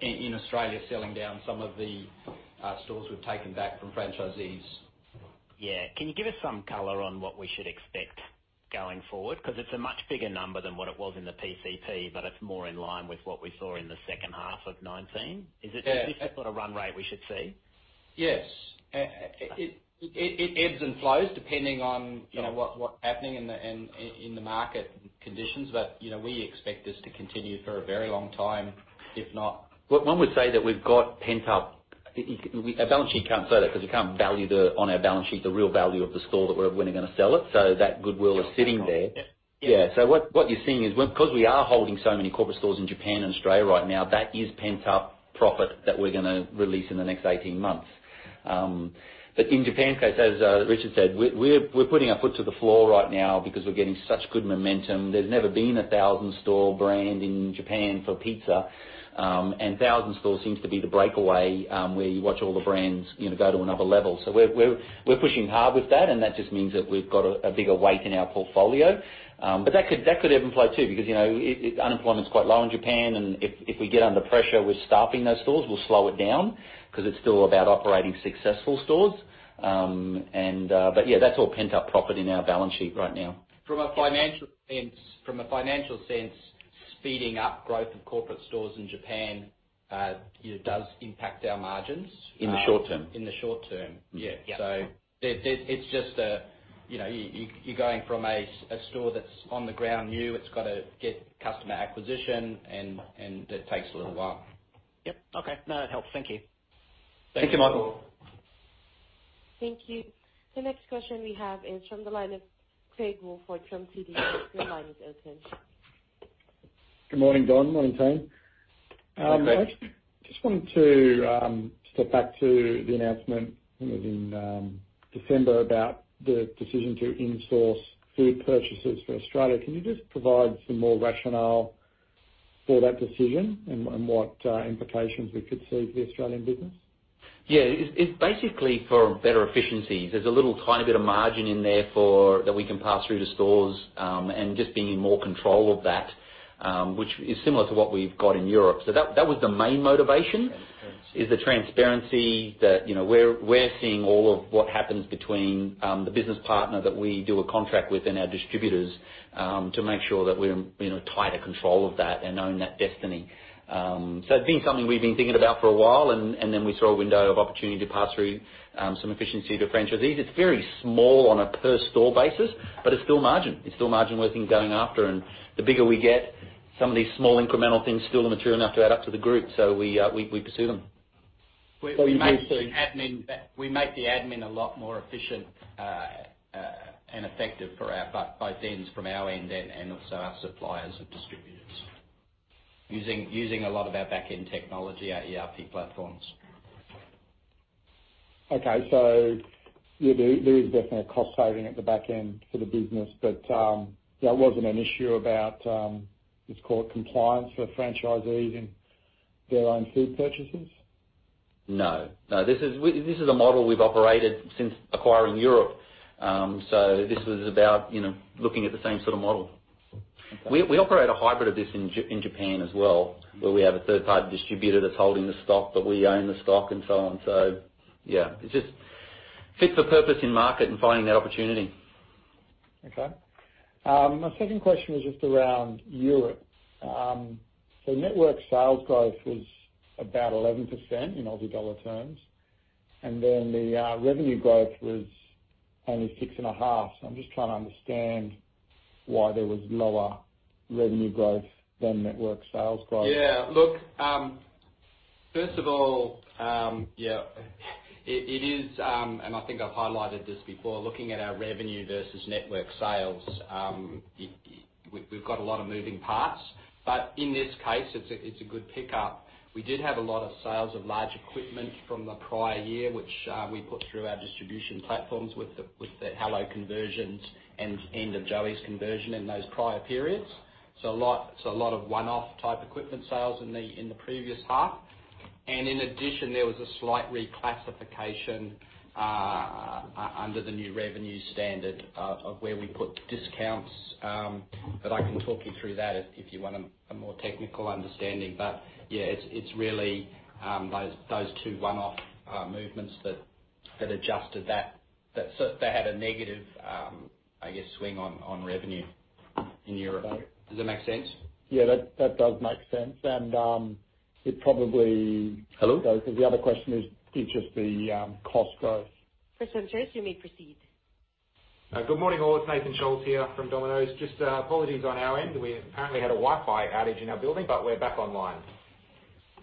in Australia, selling down some of the stores we've taken back from franchisees. Yeah. Can you give us some color on what we should expect going forward? Because it's a much bigger number than what it was in the PCP, but it's more in line with what we saw in the second half of 2019. Is this the sort of run rate we should see? Yes. It ebbs and flows depending on what's happening in the market conditions, but we expect this to continue for a very long time, if not. One would say that we've got pent-up on the balance sheet. Can't say that because we can't value on our balance sheet the real value of the store that we're going to sell it. So that goodwill is sitting there. Yeah. So what you're seeing is because we are holding so many corporate stores in Japan and Australia right now, that is pent-up profit that we're going to release in the next 18 months. But in Japan, as Richard said, we're putting our foot to the floor right now because we're getting such good momentum. There's never been a thousand-store brand in Japan for pizza, and thousand-store seems to be the breakaway where you watch all the brands go to another level. So we're pushing hard with that, and that just means that we've got a bigger weight in our portfolio. But that could ebb and flow too because unemployment's quite low in Japan. And if we get under pressure with staffing those stores, we'll slow it down because it's still about operating successful stores. But yeah, that's all pent-up profit in our balance sheet right now. From a financial sense, speeding up growth of corporate stores in Japan does impact our margins in the short term. In the short term. Yeah. So it's just you're going from a store that's on the ground new. It's got to get customer acquisition, and it takes a little while. Yep. Okay. No, that helps. Thank you. Thank you, Michael. Thank you. The next question we have is from the line of Craig Wolford from Citi. Your line is open. Good morning, Don. Morning, team. I just wanted to step back to the announcement in December about the decision to insource food purchases for Australia. Can you just provide some more rationale for that decision and what implications we could see for the Australian business? Yeah. It's basically for better efficiencies. There's a little tiny bit of margin in there that we can pass through to stores and just being in more control of that, which is similar to what we've got in Europe. So that was the main motivation, is the transparency that we're seeing all of what happens between the business partner that we do a contract with and our distributors to make sure that we're in tighter control of that and own that destiny. So it's been something we've been thinking about for a while, and then we saw a window of opportunity to pass through some efficiency to franchisees. It's very small on a per-store basis, but it's still margin. It's still margin worth going after. And the bigger we get, some of these small incremental things still are material enough to add up to the group. So we pursue them. We make the admin a lot more efficient and effective for both ends from our end and also our suppliers and distributors using a lot of our back-end technology at ERP platforms. Okay. So there is definitely a cost saving at the back end for the business, but that wasn't an issue about, let's call it, compliance for franchisees and their own food purchases? No. No. This is a model we've operated since acquiring Europe. So this was about looking at the same sort of model. We operate a hybrid of this in Japan as well, where we have a third-party distributor that's holding the stock, but we own the stock and so on. So yeah, it's just fit for purpose in market and finding that opportunity. Okay. My second question was just around Europe. So network sales growth was about 11% in Aussie dollar terms. And then the revenue growth was only 6.5%. So I'm just trying to understand why there was lower revenue growth than network sales growth. Yeah. Look, first of all, yeah, it is, and I think I've highlighted this before, looking at our revenue versus network sales, we've got a lot of moving parts. But in this case, it's a good pickup. We did have a lot of sales of large equipment from the prior year, which we put through our distribution platforms with the Hallo conversions and end of Joey's conversion in those prior periods. So a lot of one-off type equipment sales in the previous half. And in addition, there was a slight reclassification under the new revenue standard of where we put discounts. But I can talk you through that if you want a more technical understanding. But yeah, it's really those two one-off movements that adjusted that. So they had a negative, I guess, swing on revenue in Europe. Does that make sense? Yeah. That does make sense. And it probably. Hello? The other question is just the cost growth. Nathan Scholz, you may proceed. Good morning, all. It's Nathan Scholz here from Domino's. Just apologies on our end. We apparently had a Wi-Fi outage in our building, but we're back online.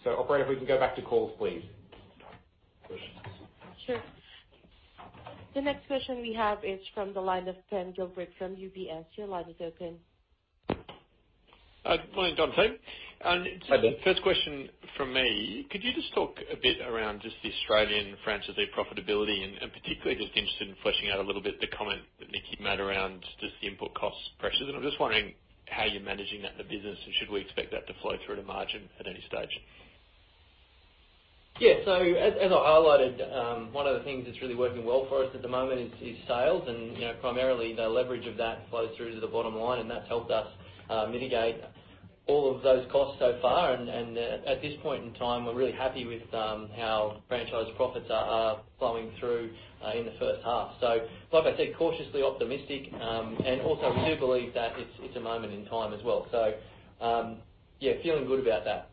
So operator, if we can go back to calls, please. Sure. The next question we have is from the line of Ben Gilbert from UBS. Your line is open. Good morning, Don. Hi there. First question from me. Could you just talk a bit around just the Australian franchisee profitability? And particularly, just interested in fleshing out a little bit the comment that Nick made around just the input cost pressures. And I'm just wondering how you're managing that in the business, and should we expect that to flow through to margin at any stage? Yeah. So as I highlighted, one of the things that's really working well for us at the moment is sales. And primarily, the leverage of that flows through to the bottom line, and that's helped us mitigate all of those costs so far. And at this point in time, we're really happy with how franchise profits are flowing through in the first half. So like I said, cautiously optimistic. And also, we do believe that it's a moment in time as well. So yeah, feeling good about that.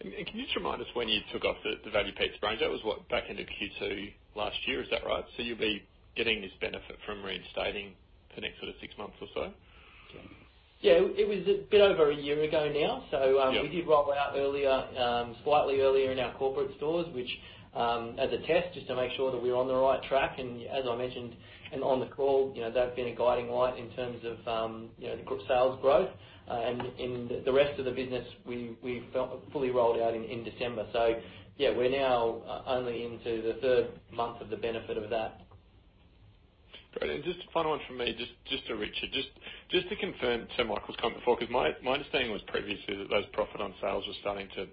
Can you just remind us when you took off the value-paid sprains? That was back into Q2 last year, is that right? So you'll be getting this benefit from reinstating for the next sort of six months or so? Yeah. It was a bit over a year ago now. So we did roll out earlier, slightly earlier in our corporate stores, which as a test just to make sure that we're on the right track. And as I mentioned and on the call, that's been a guiding light in terms of the sales growth. And in the rest of the business, we fully rolled out in December. So yeah, we're now only into the third month of the benefit of that. Great, and just a final one from me, just to Richard, just to confirm to Michael's comment before, because my understanding was previously that those profit on sales were starting to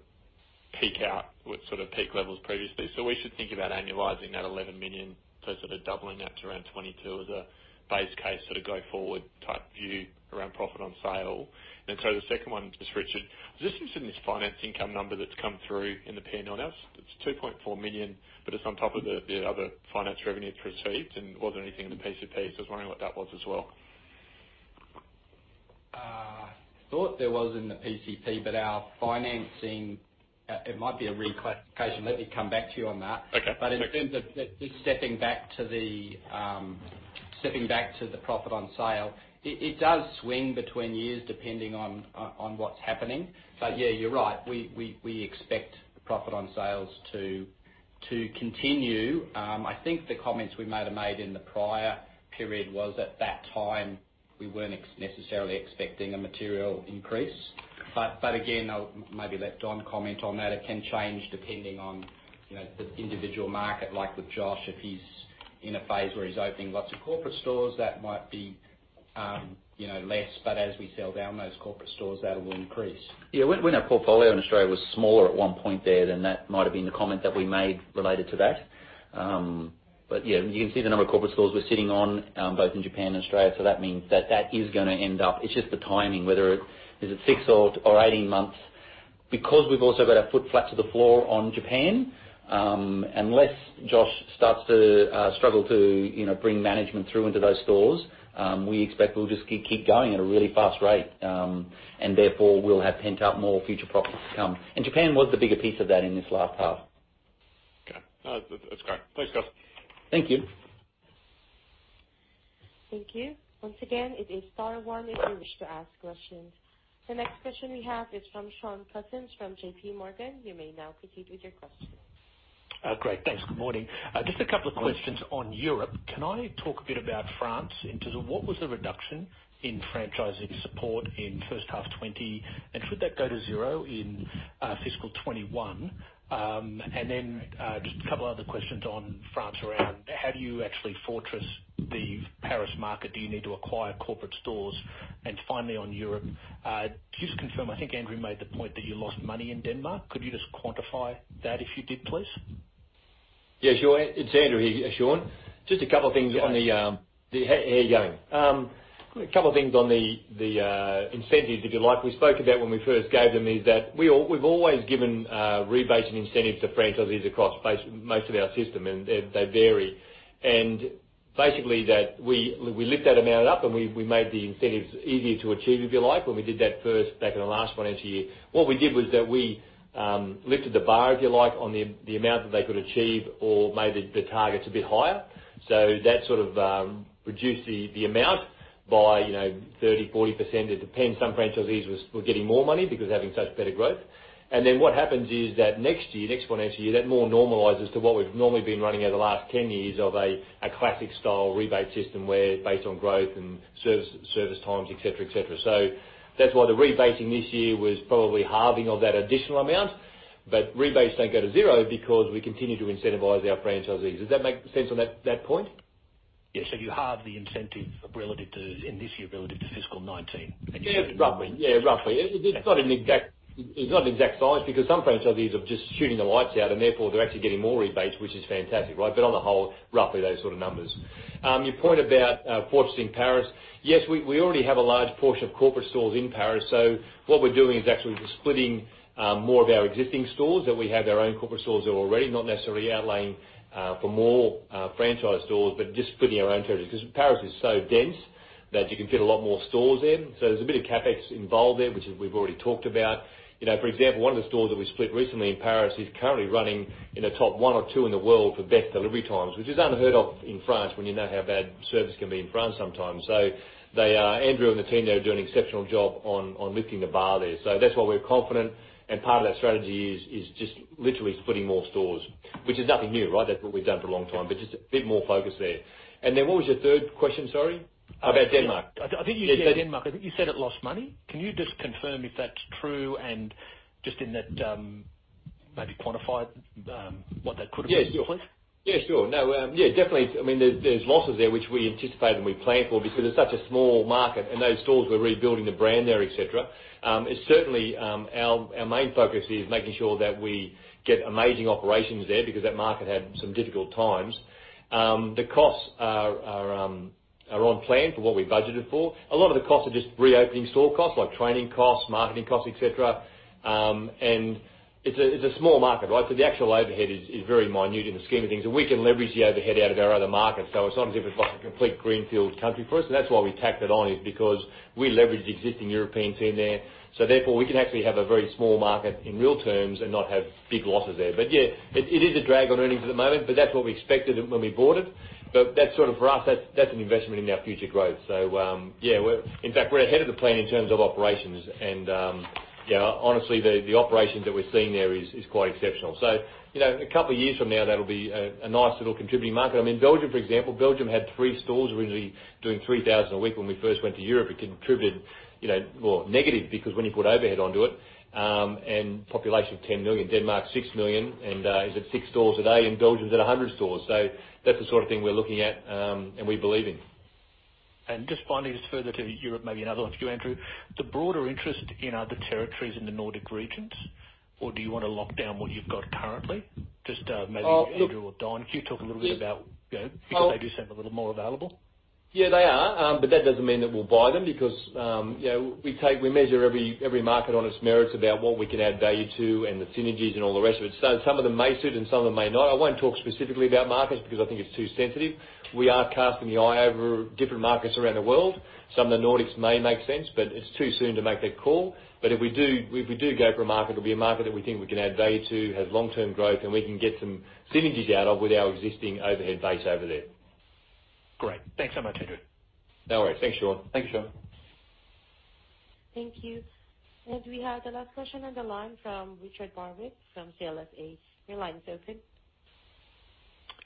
peak out with sort of peak levels previously. So we should think about annualizing that 11 million to sort of doubling that to around 22 million as a base case sort of go forward type view around profit on sale. So the second one is Richard. I was just interested in this financing income number that's come through in the P&L now. It's 2.4 million, but it's on top of the other finance revenue received. And was there anything in the PCP? So I was wondering what that was as well. I thought there was in the PCP, but our financing, it might be a reclassification. Let me come back to you on that. But in terms of just stepping back to the profit on sale, it does swing between years depending on what's happening. But yeah, you're right. We expect profit on sales to continue. I think the comments we might have made in the prior period was at that time, we weren't necessarily expecting a material increase. But again, I'll maybe let Don comment on that. It can change depending on the individual market, like with Josh, if he's in a phase where he's opening lots of corporate stores, that might be less. But as we sell down those corporate stores, that will increase. Yeah. When our portfolio in Australia was smaller at one point there, then that might have been the comment that we made related to that. But yeah, you can see the number of corporate stores we're sitting on both in Japan and Australia. So that means that that is going to end up. It's just the timing, whether it's six or 18 months. Because we've also got our foot flat to the floor on Japan, unless Josh starts to struggle to bring management through into those stores, we expect we'll just keep going at a really fast rate. And therefore, we'll have pent-up more future profits to come. And Japan was the bigger piece of that in this last half. Okay. That's great. Thanks, guys. Thank you. Thank you. Once again, it is star one if you wish to ask questions. The next question we have is from Shaun Cousins from JPMorgan. You may now proceed with your question. Great. Thanks. Good morning. Just a couple of questions on Europe. Can I talk a bit about France in terms of what was the reduction in franchising support in first half 2020? And should that go to zero in fiscal 2021? And then just a couple of other questions on France around how do you actually fortress the Paris market? Do you need to acquire corporate stores? And finally, on Europe, just to confirm, I think Andrew made the point that you lost money in Denmark. Could you just quantify that if you did, please? Yeah. It's Andrew here, Shaun. Just a couple of things on the incentives, if you like. We spoke about when we first gave them is that we've always given rebates and incentives to franchisees across most of our system, and they vary. And basically, we lift that amount up, and we made the incentives easier to achieve, if you like. When we did that first back in the last financial year, what we did was that we lifted the bar, if you like, on the amount that they could achieve or made the targets a bit higher. So that sort of reduced the amount by 30%-40%. It depends. Some franchisees were getting more money because of having such better growth. And then what happens is that next year, next financial year, that more normalizes to what we've normally been running over the last 10 years of a classic-style rebate system based on growth and service times, etc., etc. So that's why the rebating this year was probably halving of that additional amount. But rebates don't go to zero because we continue to incentivize our franchisees. Does that make sense on that point? Yeah. So you halve the incentive in this year relative to fiscal 2019? Yeah. Roughly. Yeah. Roughly. It's not an exact. It's not an exact science because some franchisees are just shooting the lights out, and therefore, they're actually getting more rebates, which is fantastic, right? But on the whole, roughly those sort of numbers. Your point about fortressing Paris, yes, we already have a large portion of corporate stores in Paris. So what we're doing is actually splitting more of our existing stores that we have our own corporate stores that are already not necessarily outlaying for more franchise stores, but just splitting our own territory because Paris is so dense that you can fit a lot more stores there. So there's a bit of CapEx involved there, which we've already talked about. For example, one of the stores that we split recently in Paris is currently running in the top one or two in the world for best delivery times, which is unheard of in France when you know how bad service can be in France sometimes. So Andrew and the team there are doing an exceptional job on lifting the bar there. So that's why we're confident. And part of that strategy is just literally splitting more stores, which is nothing new, right? That's what we've done for a long time, but just a bit more focus there. And then what was your third question, sorry? About Denmark? I think you said Denmark. I think you said it lost money. Can you just confirm if that's true and just in that maybe quantify what that could have been, please? Yeah. Sure. Yeah. Sure. No. Yeah. Definitely. I mean, there's losses there, which we anticipate and we plan for because it's such a small market, and those stores were rebuilding the brand there, etc. It's certainly our main focus is making sure that we get amazing operations there because that market had some difficult times. The costs are on plan for what we budgeted for. A lot of the costs are just reopening store costs, like training costs, marketing costs, etc. And it's a small market, right? So the actual overhead is very minute in the scheme of things. And we can leverage the overhead out of our other markets. So it's not as if it's like a complete greenfield country for us. And that's why we tacked it on, is because we leverage the existing Europeans in there. Therefore, we can actually have a very small market in real terms and not have big losses there. But yeah, it is a drag on earnings at the moment, but that's what we expected when we bought it. But that's sort of for us, that's an investment in our future growth. So yeah, in fact, we're ahead of the plan in terms of operations. And yeah, honestly, the operations that we're seeing there is quite exceptional. So a couple of years from now, that'll be a nice little contributing market. I mean, Belgium, for example, Belgium had three stores originally doing 3,000 a week when we first went to Europe. It contributed more negative because when you put overhead onto it and population of 10 million, Denmark 6 million, and is at six stores a day. And Belgium's at 100 stores. So that's the sort of thing we're looking at and we believe in. Just finding this further to Europe, maybe another one for you, Andrew. The broader interest in other territories in the Nordic regions, or do you want to lock down what you've got currently? Just maybe Andrew or Don, can you talk a little bit about it because they do seem a little more available? Yeah, they are. But that doesn't mean that we'll buy them because we measure every market on its merits about what we can add value to and the synergies and all the rest of it. So some of them may suit, and some of them may not. I won't talk specifically about markets because I think it's too sensitive. We are casting the eye over different markets around the world. Some of the Nordics may make sense, but it's too soon to make that call. But if we do go for a market, it'll be a market that we think we can add value to, has long-term growth, and we can get some synergies out of with our existing overhead base over there. Great. Thanks so much, Andrew. No worries. Thanks, Shaun. Thank you. And we have the last question on the line from Richard Barwick from CLSA. Your line is open.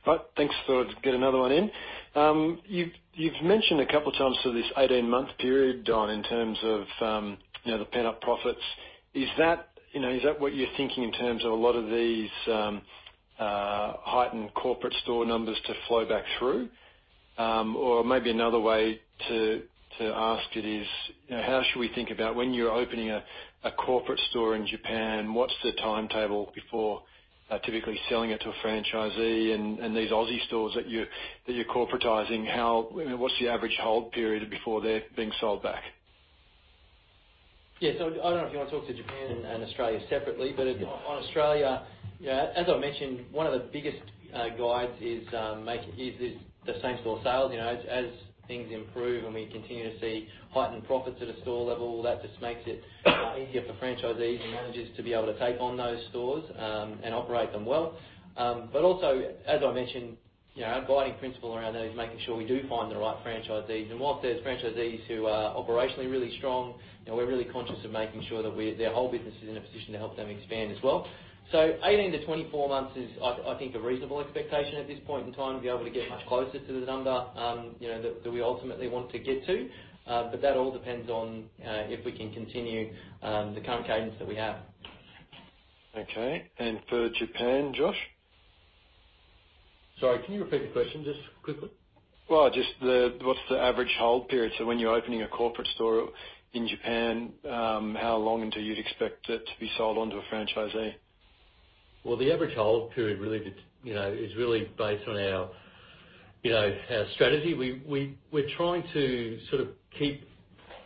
All right. Thanks for getting another one in. You've mentioned a couple of times through this 18-month period, Don, in terms of the pent-up profits. Is that what you're thinking in terms of a lot of these heightened corporate store numbers to flow back through? Or maybe another way to ask it is, how should we think about when you're opening a corporate store in Japan, what's the timetable before typically selling it to a franchisee? And these Aussie stores that you're corporatizing, what's the average hold period before they're being sold back? Yeah. So I don't know if you want to talk to Japan and Australia separately, but on Australia, as I mentioned, one of the biggest guides is the same-store sales. As things improve and we continue to see heightened profits at a store level, that just makes it easier for franchisees and managers to be able to take on those stores and operate them well. But also, as I mentioned, our guiding principle around that is making sure we do find the right franchisees. And whilst there's franchisees who are operationally really strong, we're really conscious of making sure that their whole business is in a position to help them expand as well. So 18-24 months is, I think, a reasonable expectation at this point in time to be able to get much closer to the number that we ultimately want to get to. But that all depends on if we can continue the current cadence that we have. Okay. And for Japan, Josh? Sorry, can you repeat the question just quickly? Just what's the average hold period? When you're opening a corporate store in Japan, how long until you'd expect it to be sold onto a franchisee? The average hold period is really based on our strategy. We're trying to sort of keep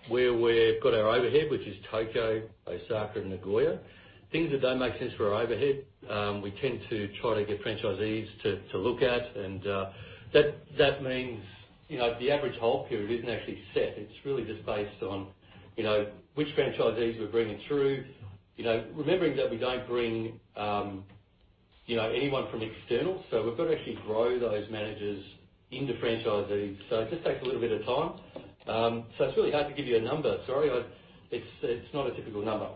where we've got our overhead, which is Tokyo, Osaka, and Nagoya. Things that don't make sense for our overhead, we tend to try to get franchisees to look at. That means the average hold period isn't actually set. It's really just based on which franchisees we're bringing through, remembering that we don't bring anyone from external. We've got to actually grow those managers into franchisees. It just takes a little bit of time. It's really hard to give you a number. Sorry, it's not a typical number.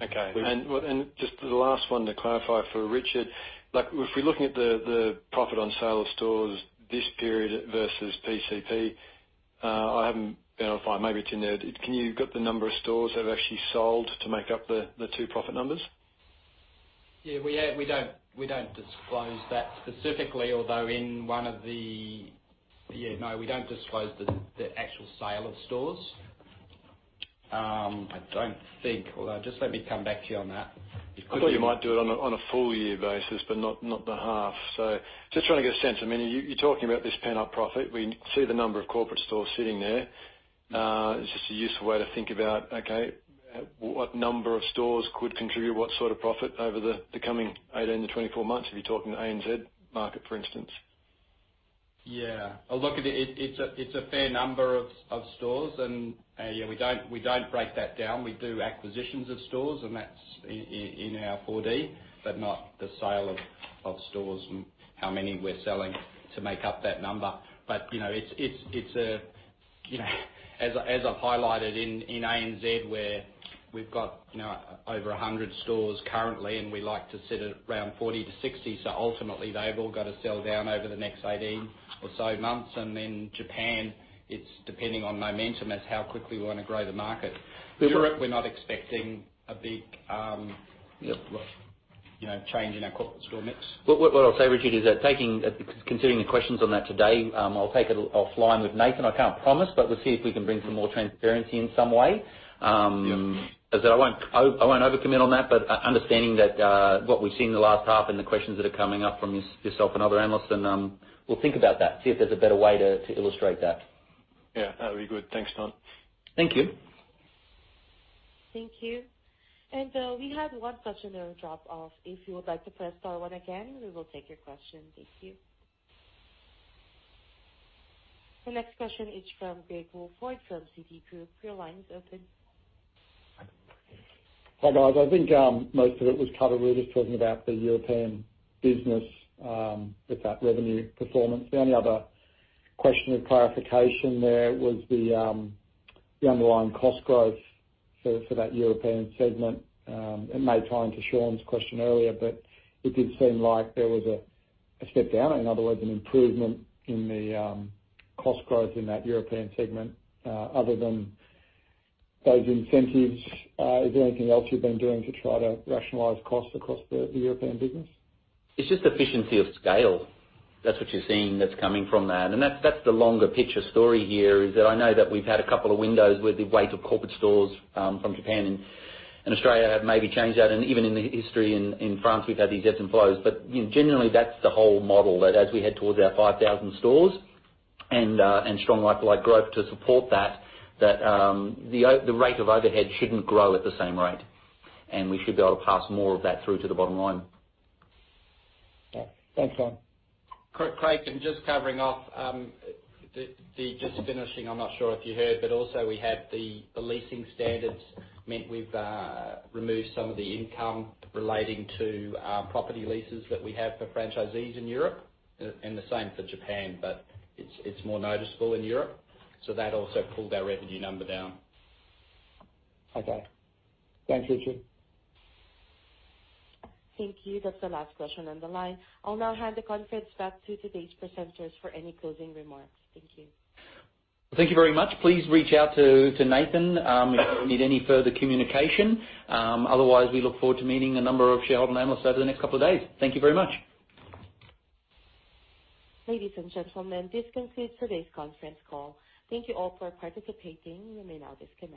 Okay. And just the last one to clarify for Richard. If we're looking at the profit on sale of stores this period versus PCP, I haven't been able to find, maybe it's in there. Can you get the number of stores that have actually sold to make up the two profit numbers? Yeah. We don't disclose that specifically, although, no, we don't disclose the actual sale of stores. I don't think, although just let me come back to you on that. I thought you might do it on a full-year basis, but not the half. So just trying to get a sense. I mean, you're talking about this pent-up profit. We see the number of corporate stores sitting there. It's just a useful way to think about, okay, what number of stores could contribute what sort of profit over the coming 18-24 months if you're talking the ANZ market, for instance? Yeah. Look, it's a fair num`ber of stores. And yeah, we don't break that down. We do acquisitions of stores, and that's in our 4D, but not the sale of stores and how many we're selling to make up that number. But it's a, as I've highlighted in ANZ, where we've got over 100 stores currently, and we like to sit at around 40-60. So ultimately, they've all got to sell down over the next 18 or so months. And then Japan, it's depending on momentum as how quickly we want to grow the market. We're notexpecting a big change in our corporate store mix. What I'll say, Richard, is that considering the questions on that today, I'll take it offline with Nathan. I can't promise, but we'll see if we can bring some more transparency in some way. I won't overcommit on that, but understanding that what we've seen the last half and the questions that are coming up from yourself and other analysts, and we'll think about that, see if there's a better way to illustrate that. Yeah. That would be good. Thanks, Don. Thank you. Thank you. And we have one question that will drop off. If you would like to press star one again, we will take your question. Thank you. The next question is from Craig Wolford from Citi. Your line is open. Hi, guys. I think most of it was covered. We were just talking about the European business with that revenue performance. The only other question of clarification there was the underlying cost growth for that European segment. It may tie into Sean's question earlier, but it did seem like there was a step down, in other words, an improvement in the cost growth in that European segment. Other than those incentives, is there anything else you've been doing to try to rationalize costs across the European business? It's just efficiency of scale. That's what you're seeing that's coming from that. And that's the longer-picture story here, is that I know that we've had a couple of windows where the weight of corporate stores from Japan and Australia have maybe changed that. And even in the history in France, we've had these ebbs and flows. But generally, that's the whole model that as we head towards our 5,000 stores and strong like-for-like growth to support that, that the rate of overhead shouldn't grow at the same rate. And we should be able to pass more of that through to the bottom line. Thanks, Don. Craig, just covering off, just finishing, I'm not sure if you heard, but also we had the leasing standards meant we've removed some of the income relating to property leases that we have for franchisees in Europe and the same for Japan, but it's more noticeable in Europe. So that also pulled our revenue number down. Okay. Thanks, Richard. Thank you. That's the last question on the line. I'll now hand the conference back to today's presenters for any closing remarks. Thank you. Thank you very much. Please reach out to Nathan if you need any further communication. Otherwise, we look forward to meeting a number of shareholder analysts over the next couple of days. Thank you very much. Ladies and gentlemen, this concludes today's conference call. Thank you all for participating. You may now disconnect.